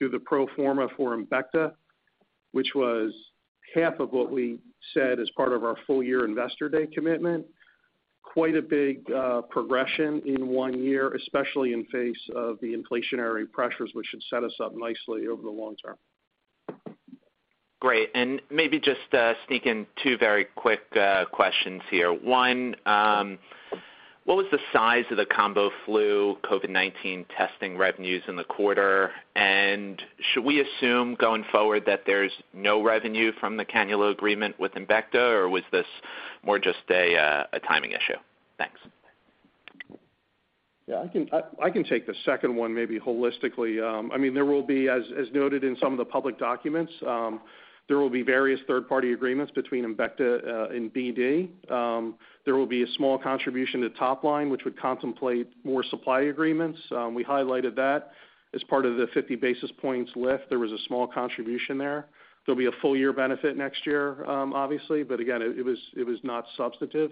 do the pro forma for Embecta, which was half of what we said as part of our full-year Investor Day commitment. Quite a big progression in one year, especially in the face of the inflationary pressures, which should set us up nicely over the long term. Great. Maybe just sneak in two very quick questions here. One, what was the size of the combo flu COVID-19 testing revenues in the quarter? Should we assume going forward that there's no revenue from the cannula agreement with Embecta, or was this more just a timing issue? Thanks. Yeah, I can take the second one, maybe holistically. I mean, there will be, as noted in some of the public documents, there will be various third-party agreements between Embecta and BD. There will be a small contribution to top line, which would contemplate more supply agreements. We highlighted that as part of the 50 basis points lift. There was a small contribution there. There'll be a full year benefit next year, obviously, but again, it was not substantive.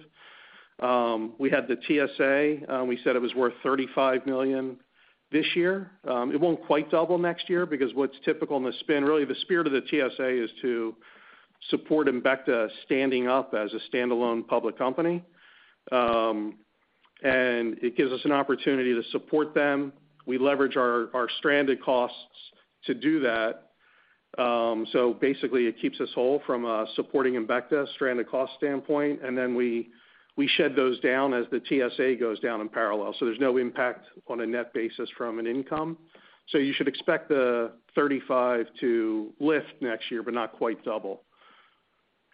We had the TSA. We said it was worth $35 million this year. It won't quite double next year because what's typical in the spin, really the spirit of the TSA is to support Embecta standing up as a standalone public company. It gives us an opportunity to support them. We leverage our stranded costs to do that. Basically it keeps us whole from supporting Embecta stranded cost standpoint. We shed those down as the TSA goes down in parallel. There's no impact on a net basis from an income. You should expect the $35 to lift next year, but not quite double.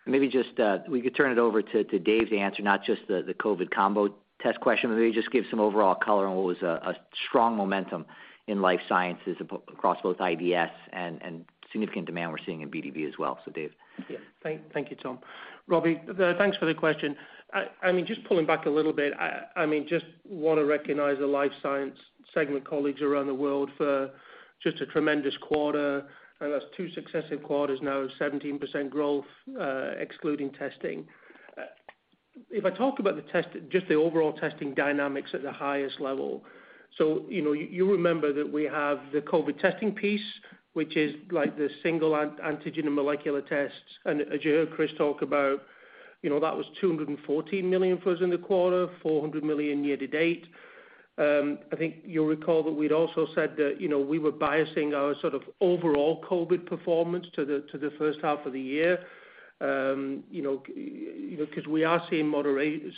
Maybe just we could turn it over to Dave to answer not just the COVID combo test question, but maybe just give some overall color on what was a strong momentum in life sciences across both IDS and significant demand we're seeing in BDB as well. Dave. Yeah. Thank you, Tom. Robbie, thanks for the question. I mean, just pulling back a little bit, I mean, just wanna recognize the Life Sciences segment colleagues around the world for just a tremendous quarter, and that's two successive quarters now of 17% growth, excluding testing. If I talk about just the overall testing dynamics at the highest level, you know, you remember that we have the COVID testing piece, which is like the single antigen and molecular tests. As you heard Chris talk about, you know, that was $214 million for us in the quarter, $400 million year to date. I think you'll recall that we'd also said that, you know, we were biasing our sort of overall COVID performance to the first half of the year. You know, 'cause we are seeing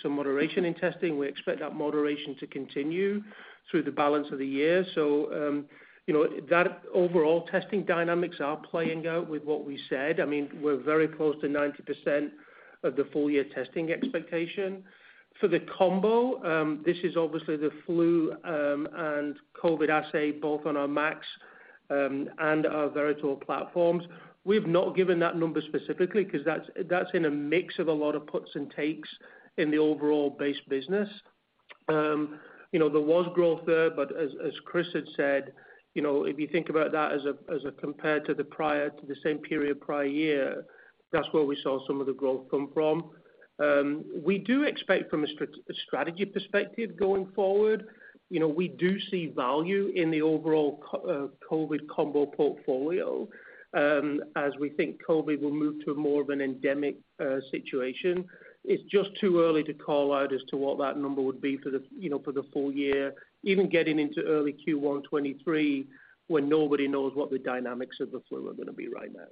some moderation in testing. We expect that moderation to continue through the balance of the year. You know, that overall testing dynamics are playing out with what we said. I mean, we're very close to 90% of the full year testing expectation. For the combo, this is obviously the flu and COVID assay both on our MAX and our Veritor platforms. We've not given that number specifically 'cause that's in a mix of a lot of puts and takes in the overall base business. You know, there was growth there, but as Chris had said, you know, if you think about that as compared to the same period prior year, that's where we saw some of the growth come from. We do expect from a strategy perspective going forward, you know, we do see value in the overall COVID combo portfolio, as we think COVID will move to more of an endemic situation. It's just too early to call out as to what that number would be for the, you know, for the full year, even getting into early Q1 2023, when nobody knows what the dynamics of the flu are gonna be right now.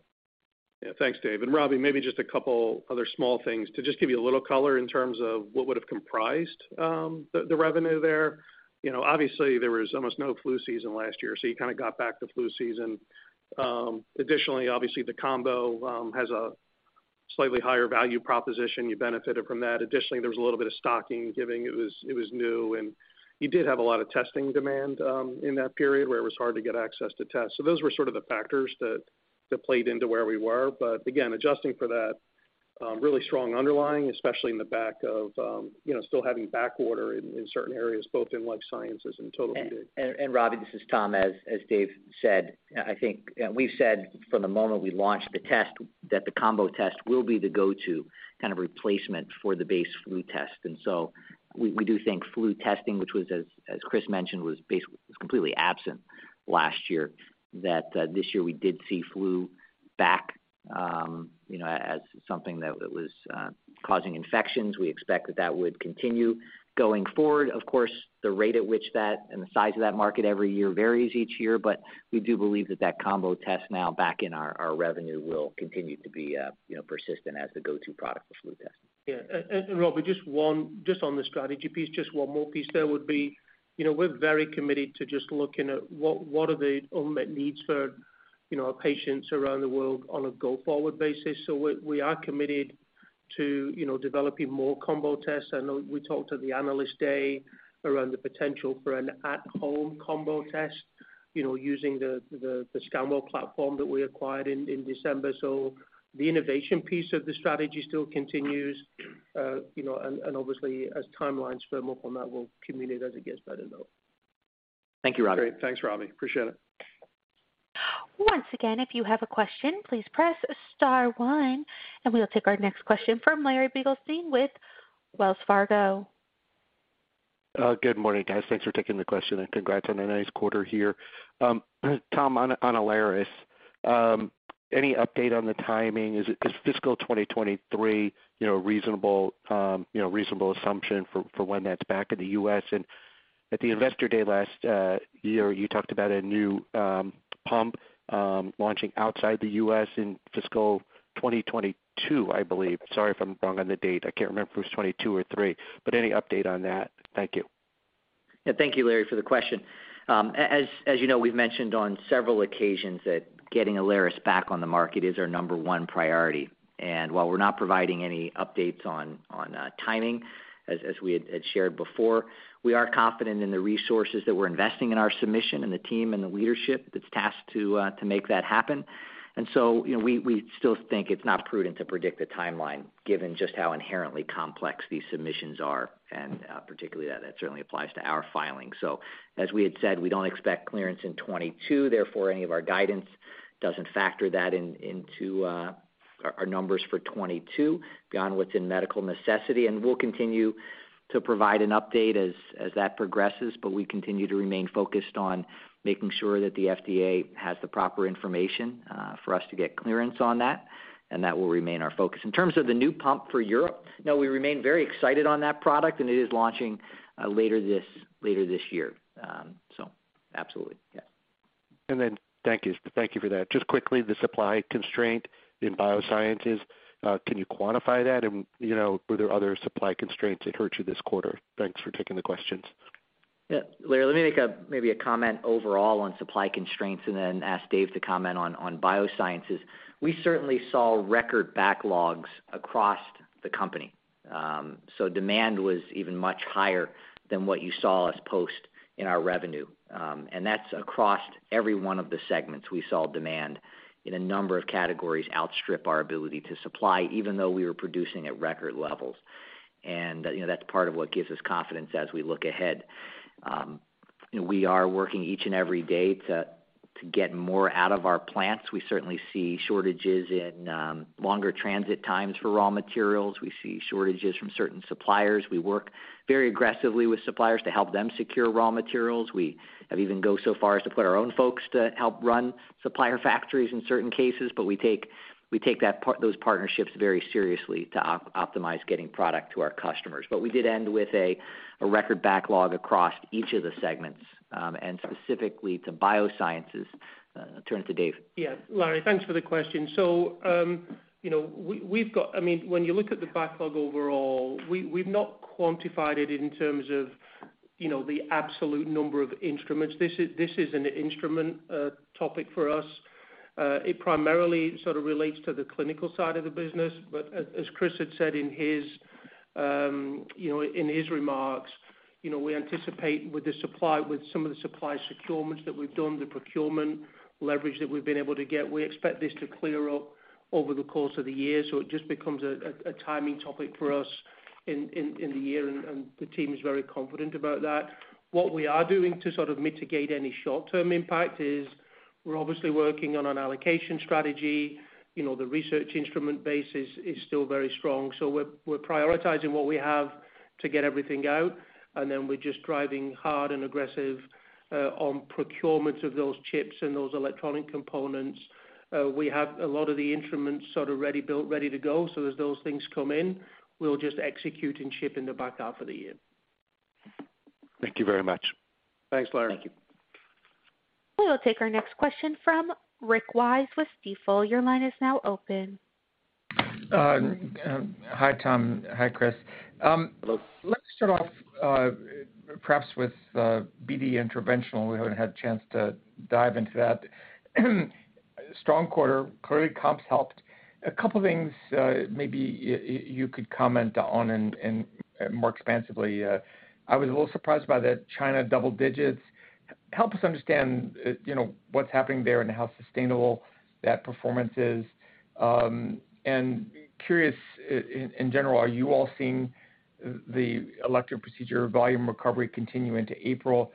Yeah. Thanks, Dave. Robbie, maybe just a couple other small things to just give you a little color in terms of what would have comprised the revenue there. You know, obviously there was almost no flu season last year, so you kind of got back to flu season. Additionally, obviously the combo has a slightly higher value proposition. You benefited from that. Additionally, there was a little bit of stocking giving. It was new, and you did have a lot of testing demand in that period where it was hard to get access to tests. Those were sort of the factors that played into where we were. Again, adjusting for that, really strong underlying, especially in the backdrop of you know, still having backorder in certain areas, both in life sciences and total. Robbie, this is Tom. As Dave said, I think we've said from the moment we launched the test that the combo test will be the go-to kind of replacement for the base flu test. We do think flu testing, which was, as Chris mentioned, completely absent last year, that this year we did see flu back, you know, as something that was causing infections. We expect that would continue going forward. Of course, the rate at which that and the size of that market every year varies each year, but we do believe that combo test now back in our revenue will continue to be, you know, persistent as the go-to product for flu testing. Yeah. Robbie, just on the strategy piece, just one more piece there would be, you know, we're very committed to just looking at what are the unmet needs for, you know, our patients around the world on a go-forward basis. We are committed to, you know, developing more combo tests. I know we talked at the Analyst Day around the potential for an at-home combo test, you know, using the Scanwell platform that we acquired in December. The innovation piece of the strategy still continues. You know, and obviously as timelines firm up on that, we'll communicate as it gets better though. Thank you, Robbie. Great. Thanks, Robbie. Appreciate it. Once again, if you have a question, please press star one and we'll take our next question from Larry Biegelsen with Wells Fargo. Good morning, guys. Thanks for taking the question and congrats on a nice quarter here. Tom, on Alaris, any update on the timing? Is it fiscal 2023, you know, reasonable assumption for when that's back in the U.S.? At the Investor Day last year, you talked about a new pump launching outside the U.S. in fiscal 2022, I believe. Sorry if I'm wrong on the date. I can't remember if it was 2022 or 2023, but any update on that? Thank you. Yeah. Thank you, Larry, for the question. As you know, we've mentioned on several occasions that getting Alaris back on the market is our number one priority. While we're not providing any updates on timing as we had shared before, we are confident in the resources that we're investing in our submission and the team and the leadership that's tasked to make that happen. We still think it's not prudent to predict a timeline given just how inherently complex these submissions are, and particularly that certainly applies to our filing. As we had said, we don't expect clearance in 2022, therefore any of our guidance doesn't factor that in our numbers for 2022 beyond what's in medical necessity. We'll continue to provide an update as that progresses, but we continue to remain focused on making sure that the FDA has the proper information for us to get clearance on that, and that will remain our focus. In terms of the new pump for Europe, no, we remain very excited on that product and it is launching later this year. Absolutely. Yes. Thank you. Thank you for that. Just quickly, the supply constraint in Biosciences, can you quantify that? You know, were there other supply constraints that hurt you this quarter? Thanks for taking the questions. Yeah. Larry, let me make maybe a comment overall on supply constraints and then ask Dave to comment on Biosciences. We certainly saw record backlogs across the company. Demand was even much higher than what you saw us post in our revenue. That's across every one of the segments we saw demand in a number of categories outstrip our ability to supply, even though we were producing at record levels. You know, that's part of what gives us confidence as we look ahead. You know, we are working each and every day to get more out of our plants. We certainly see shortages in longer transit times for raw materials. We see shortages from certain suppliers. We work very aggressively with suppliers to help them secure raw materials. We have even gone so far as to put our own folks to help run supplier factories in certain cases. We take those partnerships very seriously to optimize getting product to our customers. We did end with a record backlog across each of the segments. Specifically to Biosciences, turn to Dave. Yeah. Larry, thanks for the question. So, you know, we've got, I mean, when you look at the backlog overall, we've not quantified it in terms of, you know, the absolute number of instruments. This is an instrument topic for us. It primarily sort of relates to the clinical side of the business. As Chris had said in his, you know, in his remarks, you know, we anticipate with the supply, with some of the supply procurements that we've done, the procurement leverage that we've been able to get, we expect this to clear up over the course of the year. So it just becomes a timing topic for us in the year, and the team is very confident about that. What we are doing to sort of mitigate any short-term impact is we're obviously working on an allocation strategy. You know, the research instrument base is still very strong. We're prioritizing what we have to get everything out, and then we're just driving hard and aggressive on procurement of those chips and those electronic components. We have a lot of the instruments sort of ready built, ready to go. As those things come in, we'll just execute and ship in the back half of the year. Thank you very much. Thanks, Larry. Thank you. We will take our next question from Rick Wise with Stifel. Your line is now open. Hi, Tom. Hi, Chris. Let's start off, perhaps with BD Interventional. We haven't had a chance to dive into that. Strong quarter. Clearly, comps helped. A couple of things, maybe you could comment on and more expansively. I was a little surprised by the China double digits. Help us understand, you know, what's happening there and how sustainable that performance is. Curious in general, are you all seeing the elective procedure volume recovery continue into April?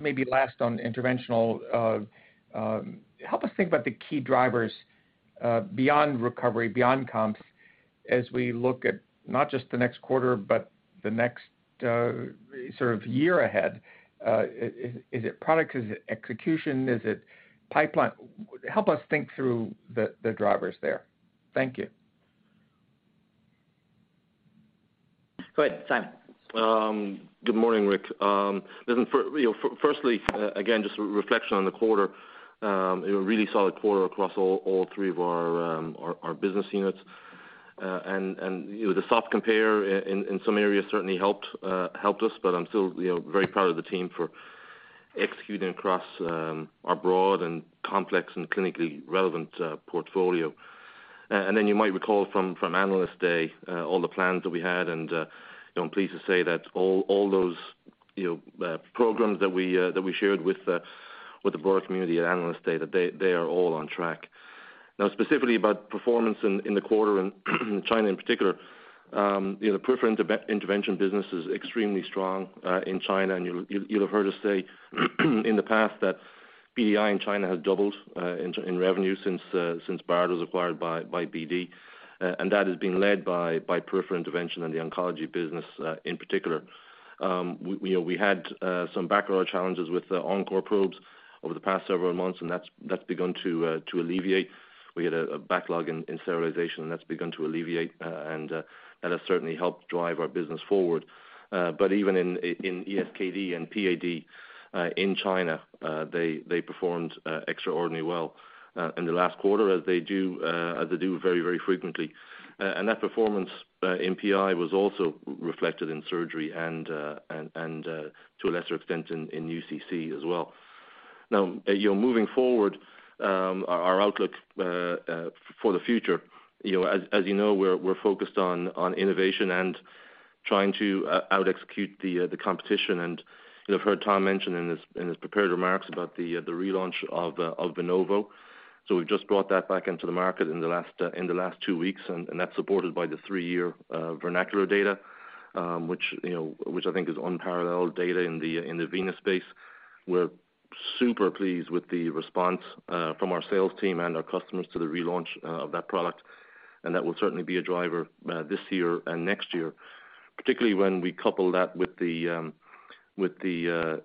Maybe last on interventional, help us think about the key drivers, beyond recovery, beyond comps as we look at not just the next quarter, but the next sort of year ahead. Is it product? Is it execution? Is it pipeline? Help us think through the drivers there. Thank you. Go ahead, Simon. Good morning, Rick. Listen, firstly, again, just reflection on the quarter, you know, really solid quarter across all three of our business units. You know, the soft comps in some areas certainly helped us, but I'm still, you know, very proud of the team for executing across our broad and complex and clinically relevant portfolio. Then you might recall from Analyst Day, all the plans that we had. I'm pleased to say that all those programs that we shared with the broader community at Analyst Day, that they are all on track. Now, specifically about performance in the quarter and in China in particular, you know, peripheral intervention business is extremely strong in China, and you'll have heard us say in the past that BDI in China has doubled in revenue since Bard was acquired by BD. That has been led by peripheral intervention and the oncology business in particular. We, you know, had some backlog challenges with the EnCor probes over the past several months, and that's begun to alleviate. We had a backlog in sterilization, and that's begun to alleviate, and that has certainly helped drive our business forward. Even in ESKD and PAD in China they performed extraordinarily well in the last quarter, as they do very, very frequently. That performance in PI was also reflected in surgery and to a lesser extent in UCC as well. Now you know moving forward our outlook for the future you know as you know we're focused on innovation and trying to out execute the competition. You know I've heard Tom mention in his prepared remarks about the relaunch of Venovo. We've just brought that back into the market in the last two weeks, and that's supported by the three-year VERNACULAR data, which you know, I think is unparalleled data in the venous space. We're super pleased with the response from our sales team and our customers to the relaunch of that product, and that will certainly be a driver this year and next year, particularly when we couple that with the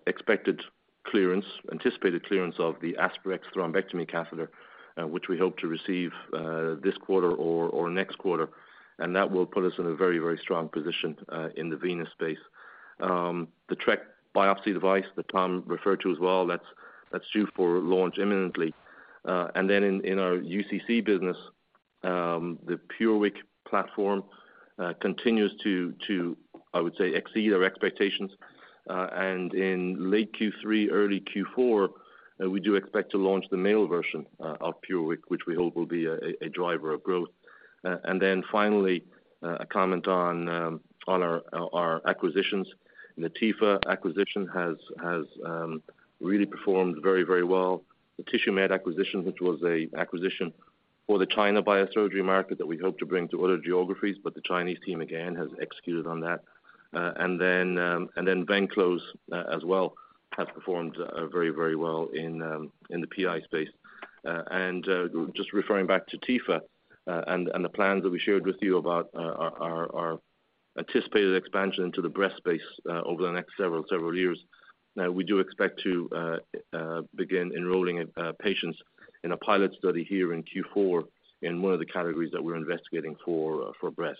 expected clearance, anticipated clearance of the Aspirex thrombectomy catheter, which we hope to receive this quarter or next quarter. That will put us in a very, very strong position in the venous space. The Trek biopsy device that Tom referred to as well, that's due for launch imminently. In our UCC business, the PureWick platform continues to I would say exceed our expectations. In late Q3, early Q4, we do expect to launch the male version of PureWick, which we hope will be a driver of growth. Finally, a comment on our acquisitions. The Tepha acquisition has really performed very well. The Tissuemed acquisition, which was a acquisition for the China biosurgery market that we hope to bring to other geographies, but the Chinese team, again, has executed on that. Venclose as well has performed very well in the PI space. Just referring back to Tepha and the plans that we shared with you about our anticipated expansion into the breast space over the next several years. Now, we do expect to begin enrolling patients in a pilot study here in Q4 in one of the categories that we're investigating for breast.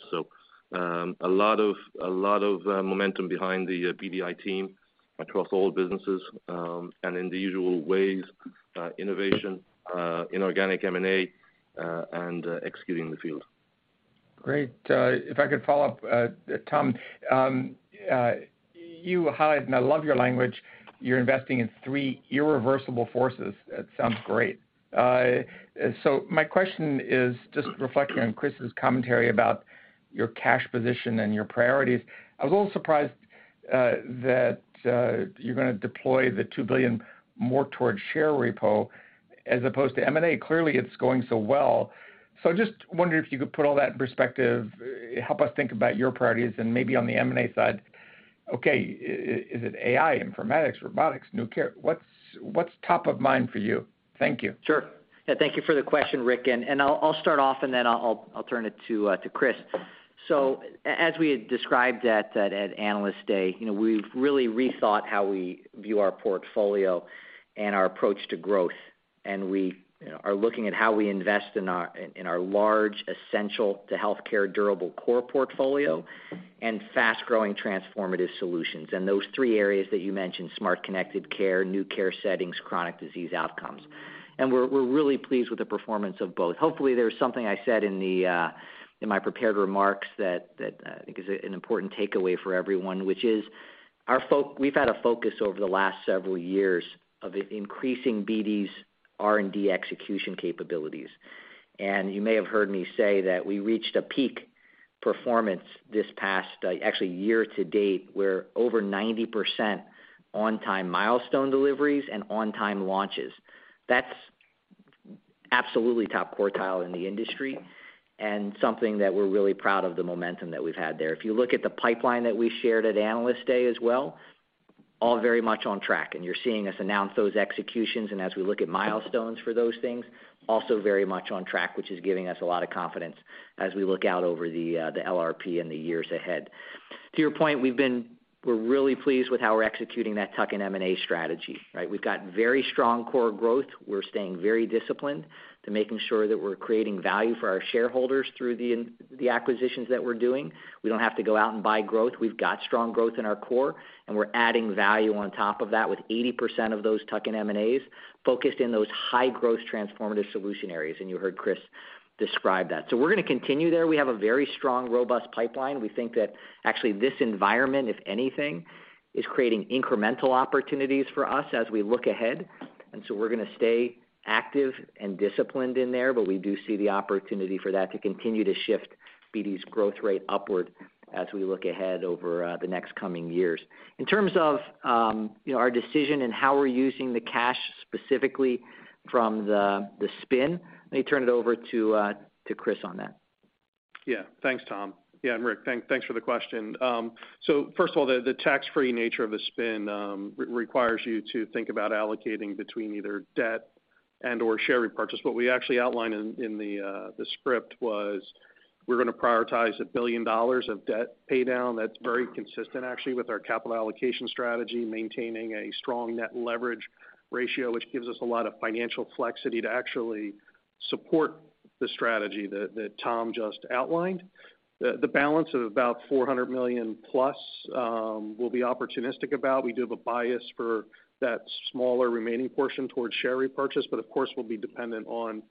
A lot of momentum behind the BDI team across all businesses and in the usual ways, innovation, inorganic M&A, and executing the field. Great. If I could follow up, Tom, you highlighted, and I love your language, you're investing in three irreversible forces. That sounds great. My question is just reflecting on Chris's commentary about your cash position and your priorities. I was a little surprised that you're gonna deploy the $2 billion more towards share repo as opposed to M&A. Clearly, it's going so well. I just wondered if you could put all that in perspective, help us think about your priorities and maybe on the M&A side. Okay. Is it AI, informatics, robotics, new care? What's top of mind for you? Thank you. Sure. Yeah, thank you for the question, Rick. I'll start off, and then I'll turn it to Chris. As we had described at Analyst Day, you know, we've really rethought how we view our portfolio and our approach to growth. We, you know, are looking at how we invest in our large, essential to healthcare durable core portfolio and fast-growing transformative solutions. Those three areas that you mentioned, smart connected care, new care settings, chronic disease outcomes. We're really pleased with the performance of both. Hopefully, there's something I said in my prepared remarks that I think is an important takeaway for everyone, which is we've had a focus over the last several years of increasing BD's R&D execution capabilities. You may have heard me say that we reached a peak performance this past, actually year to date, where over 90% on-time milestone deliveries and on-time launches. That's absolutely top quartile in the industry and something that we're really proud of the momentum that we've had there. If you look at the pipeline that we shared at Analyst Day as well, all very much on track, and you're seeing us announce those executions. As we look at milestones for those things, also very much on track, which is giving us a lot of confidence as we look out over the LRP in the years ahead. To your point, we're really pleased with how we're executing that tuck-in M&A strategy, right? We've got very strong core growth. We're staying very disciplined to making sure that we're creating value for our shareholders through the acquisitions that we're doing. We don't have to go out and buy growth. We've got strong growth in our core, and we're adding value on top of that with 80% of those tuck-in M&As focused in those high-growth transformative solution areas. You heard Chris describe that. We're gonna continue there. We have a very strong, robust pipeline. We think that actually this environment, if anything, is creating incremental opportunities for us as we look ahead. We're gonna stay active and disciplined in there, but we do see the opportunity for that to continue to shift BD's growth rate upward as we look ahead over the next coming years. In terms of, you know, our decision and how we're using the cash specifically from the spin, let me turn it over to Chris on that. Yeah. Thanks, Tom. Yeah, and Rick, thanks for the question. So first of all, the tax-free nature of the spin requires you to think about allocating between either debt and/or share repurchase. What we actually outlined in the script was we're gonna prioritize $1 billion of debt paydown. That's very consistent actually with our capital allocation strategy, maintaining a strong net leverage ratio, which gives us a lot of financial flexibility to actually support the strategy that Tom just outlined. The balance of about $400 million-plus, we'll be opportunistic about. We do have a bias for that smaller remaining portion towards share repurchase, but of course, we'll be dependent on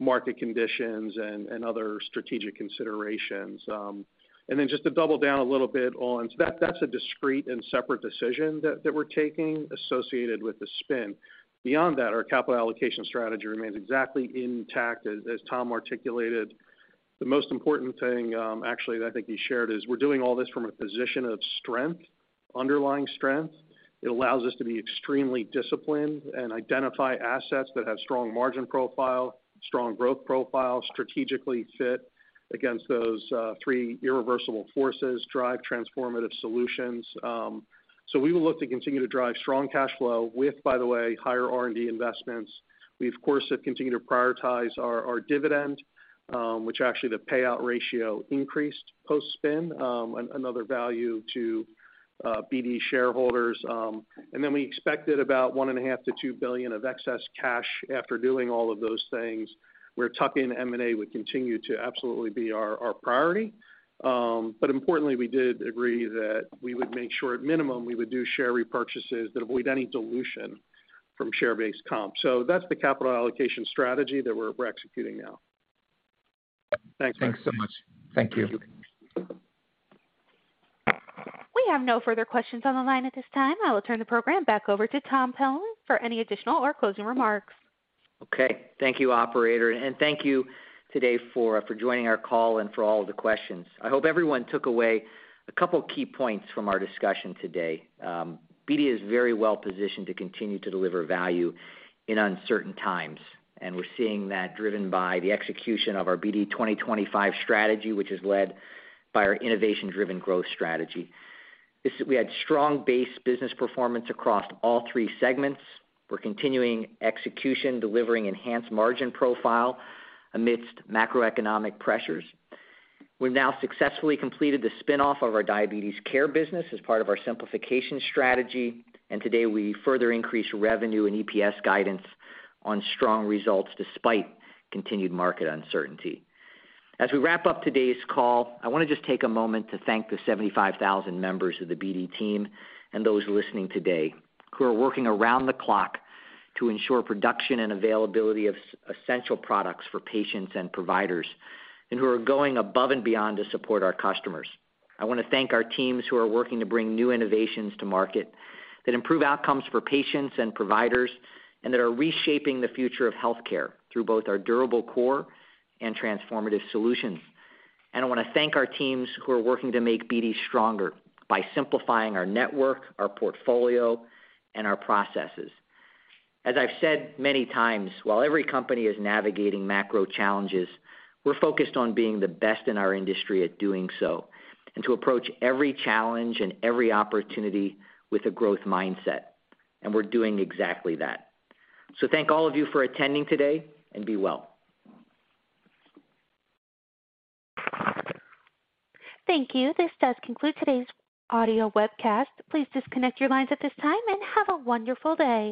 market conditions and other strategic considerations. Just to double down a little bit on. That's a discrete and separate decision that we're taking associated with the spin. Beyond that, our capital allocation strategy remains exactly intact. As Tom articulated, the most important thing, actually that I think he shared is we're doing all this from a position of strength, underlying strength. It allows us to be extremely disciplined and identify assets that have strong margin profile, strong growth profile, strategically fit against those three irreversible forces, drive transformative solutions. We will look to continue to drive strong cash flow with, by the way, higher R&D investments. We, of course, have continued to prioritize our dividend, which actually the payout ratio increased post-spin, another value to BD shareholders. We expected about $1.5 billion-$2 billion of excess cash after doing all of those things, where tuck-in M&A would continue to absolutely be our priority. Importantly, we did agree that we would make sure at minimum, we would do share repurchases that avoid any dilution from share-based comp. That's the capital allocation strategy that we're executing now. Thanks. Thanks so much. Thank you. Thank you. We have no further questions on the line at this time. I will turn the program back over to Tom Polen for any additional or closing remarks. Okay. Thank you, operator. Thank you today for joining our call and for all the questions. I hope everyone took away a couple key points from our discussion today. BD is very well positioned to continue to deliver value in uncertain times, and we're seeing that driven by the execution of our BD 2025 strategy, which is led by our innovation-driven growth strategy. We had strong base business performance across all three segments. We're continuing execution, delivering enhanced margin profile amidst macroeconomic pressures. We've now successfully completed the spin-off of our diabetes care business as part of our simplification strategy, and today we further increased revenue and EPS guidance on strong results despite continued market uncertainty. As we wrap up today's call, I wanna just take a moment to thank the 75,000 members of the BD team and those listening today, who are working around the clock to ensure production and availability of essential products for patients and providers, and who are going above and beyond to support our customers. I wanna thank our teams who are working to bring new innovations to market that improve outcomes for patients and providers and that are reshaping the future of healthcare through both our durable core and transformative solutions. I wanna thank our teams who are working to make BD stronger by simplifying our network, our portfolio, and our processes. As I've said many times, while every company is navigating macro challenges, we're focused on being the best in our industry at doing so and to approach every challenge and every opportunity with a growth mindset. We're doing exactly that. Thank all of you for attending today, and be well. Thank you. This does conclude today's audio webcast. Please disconnect your lines at this time, and have a wonderful day.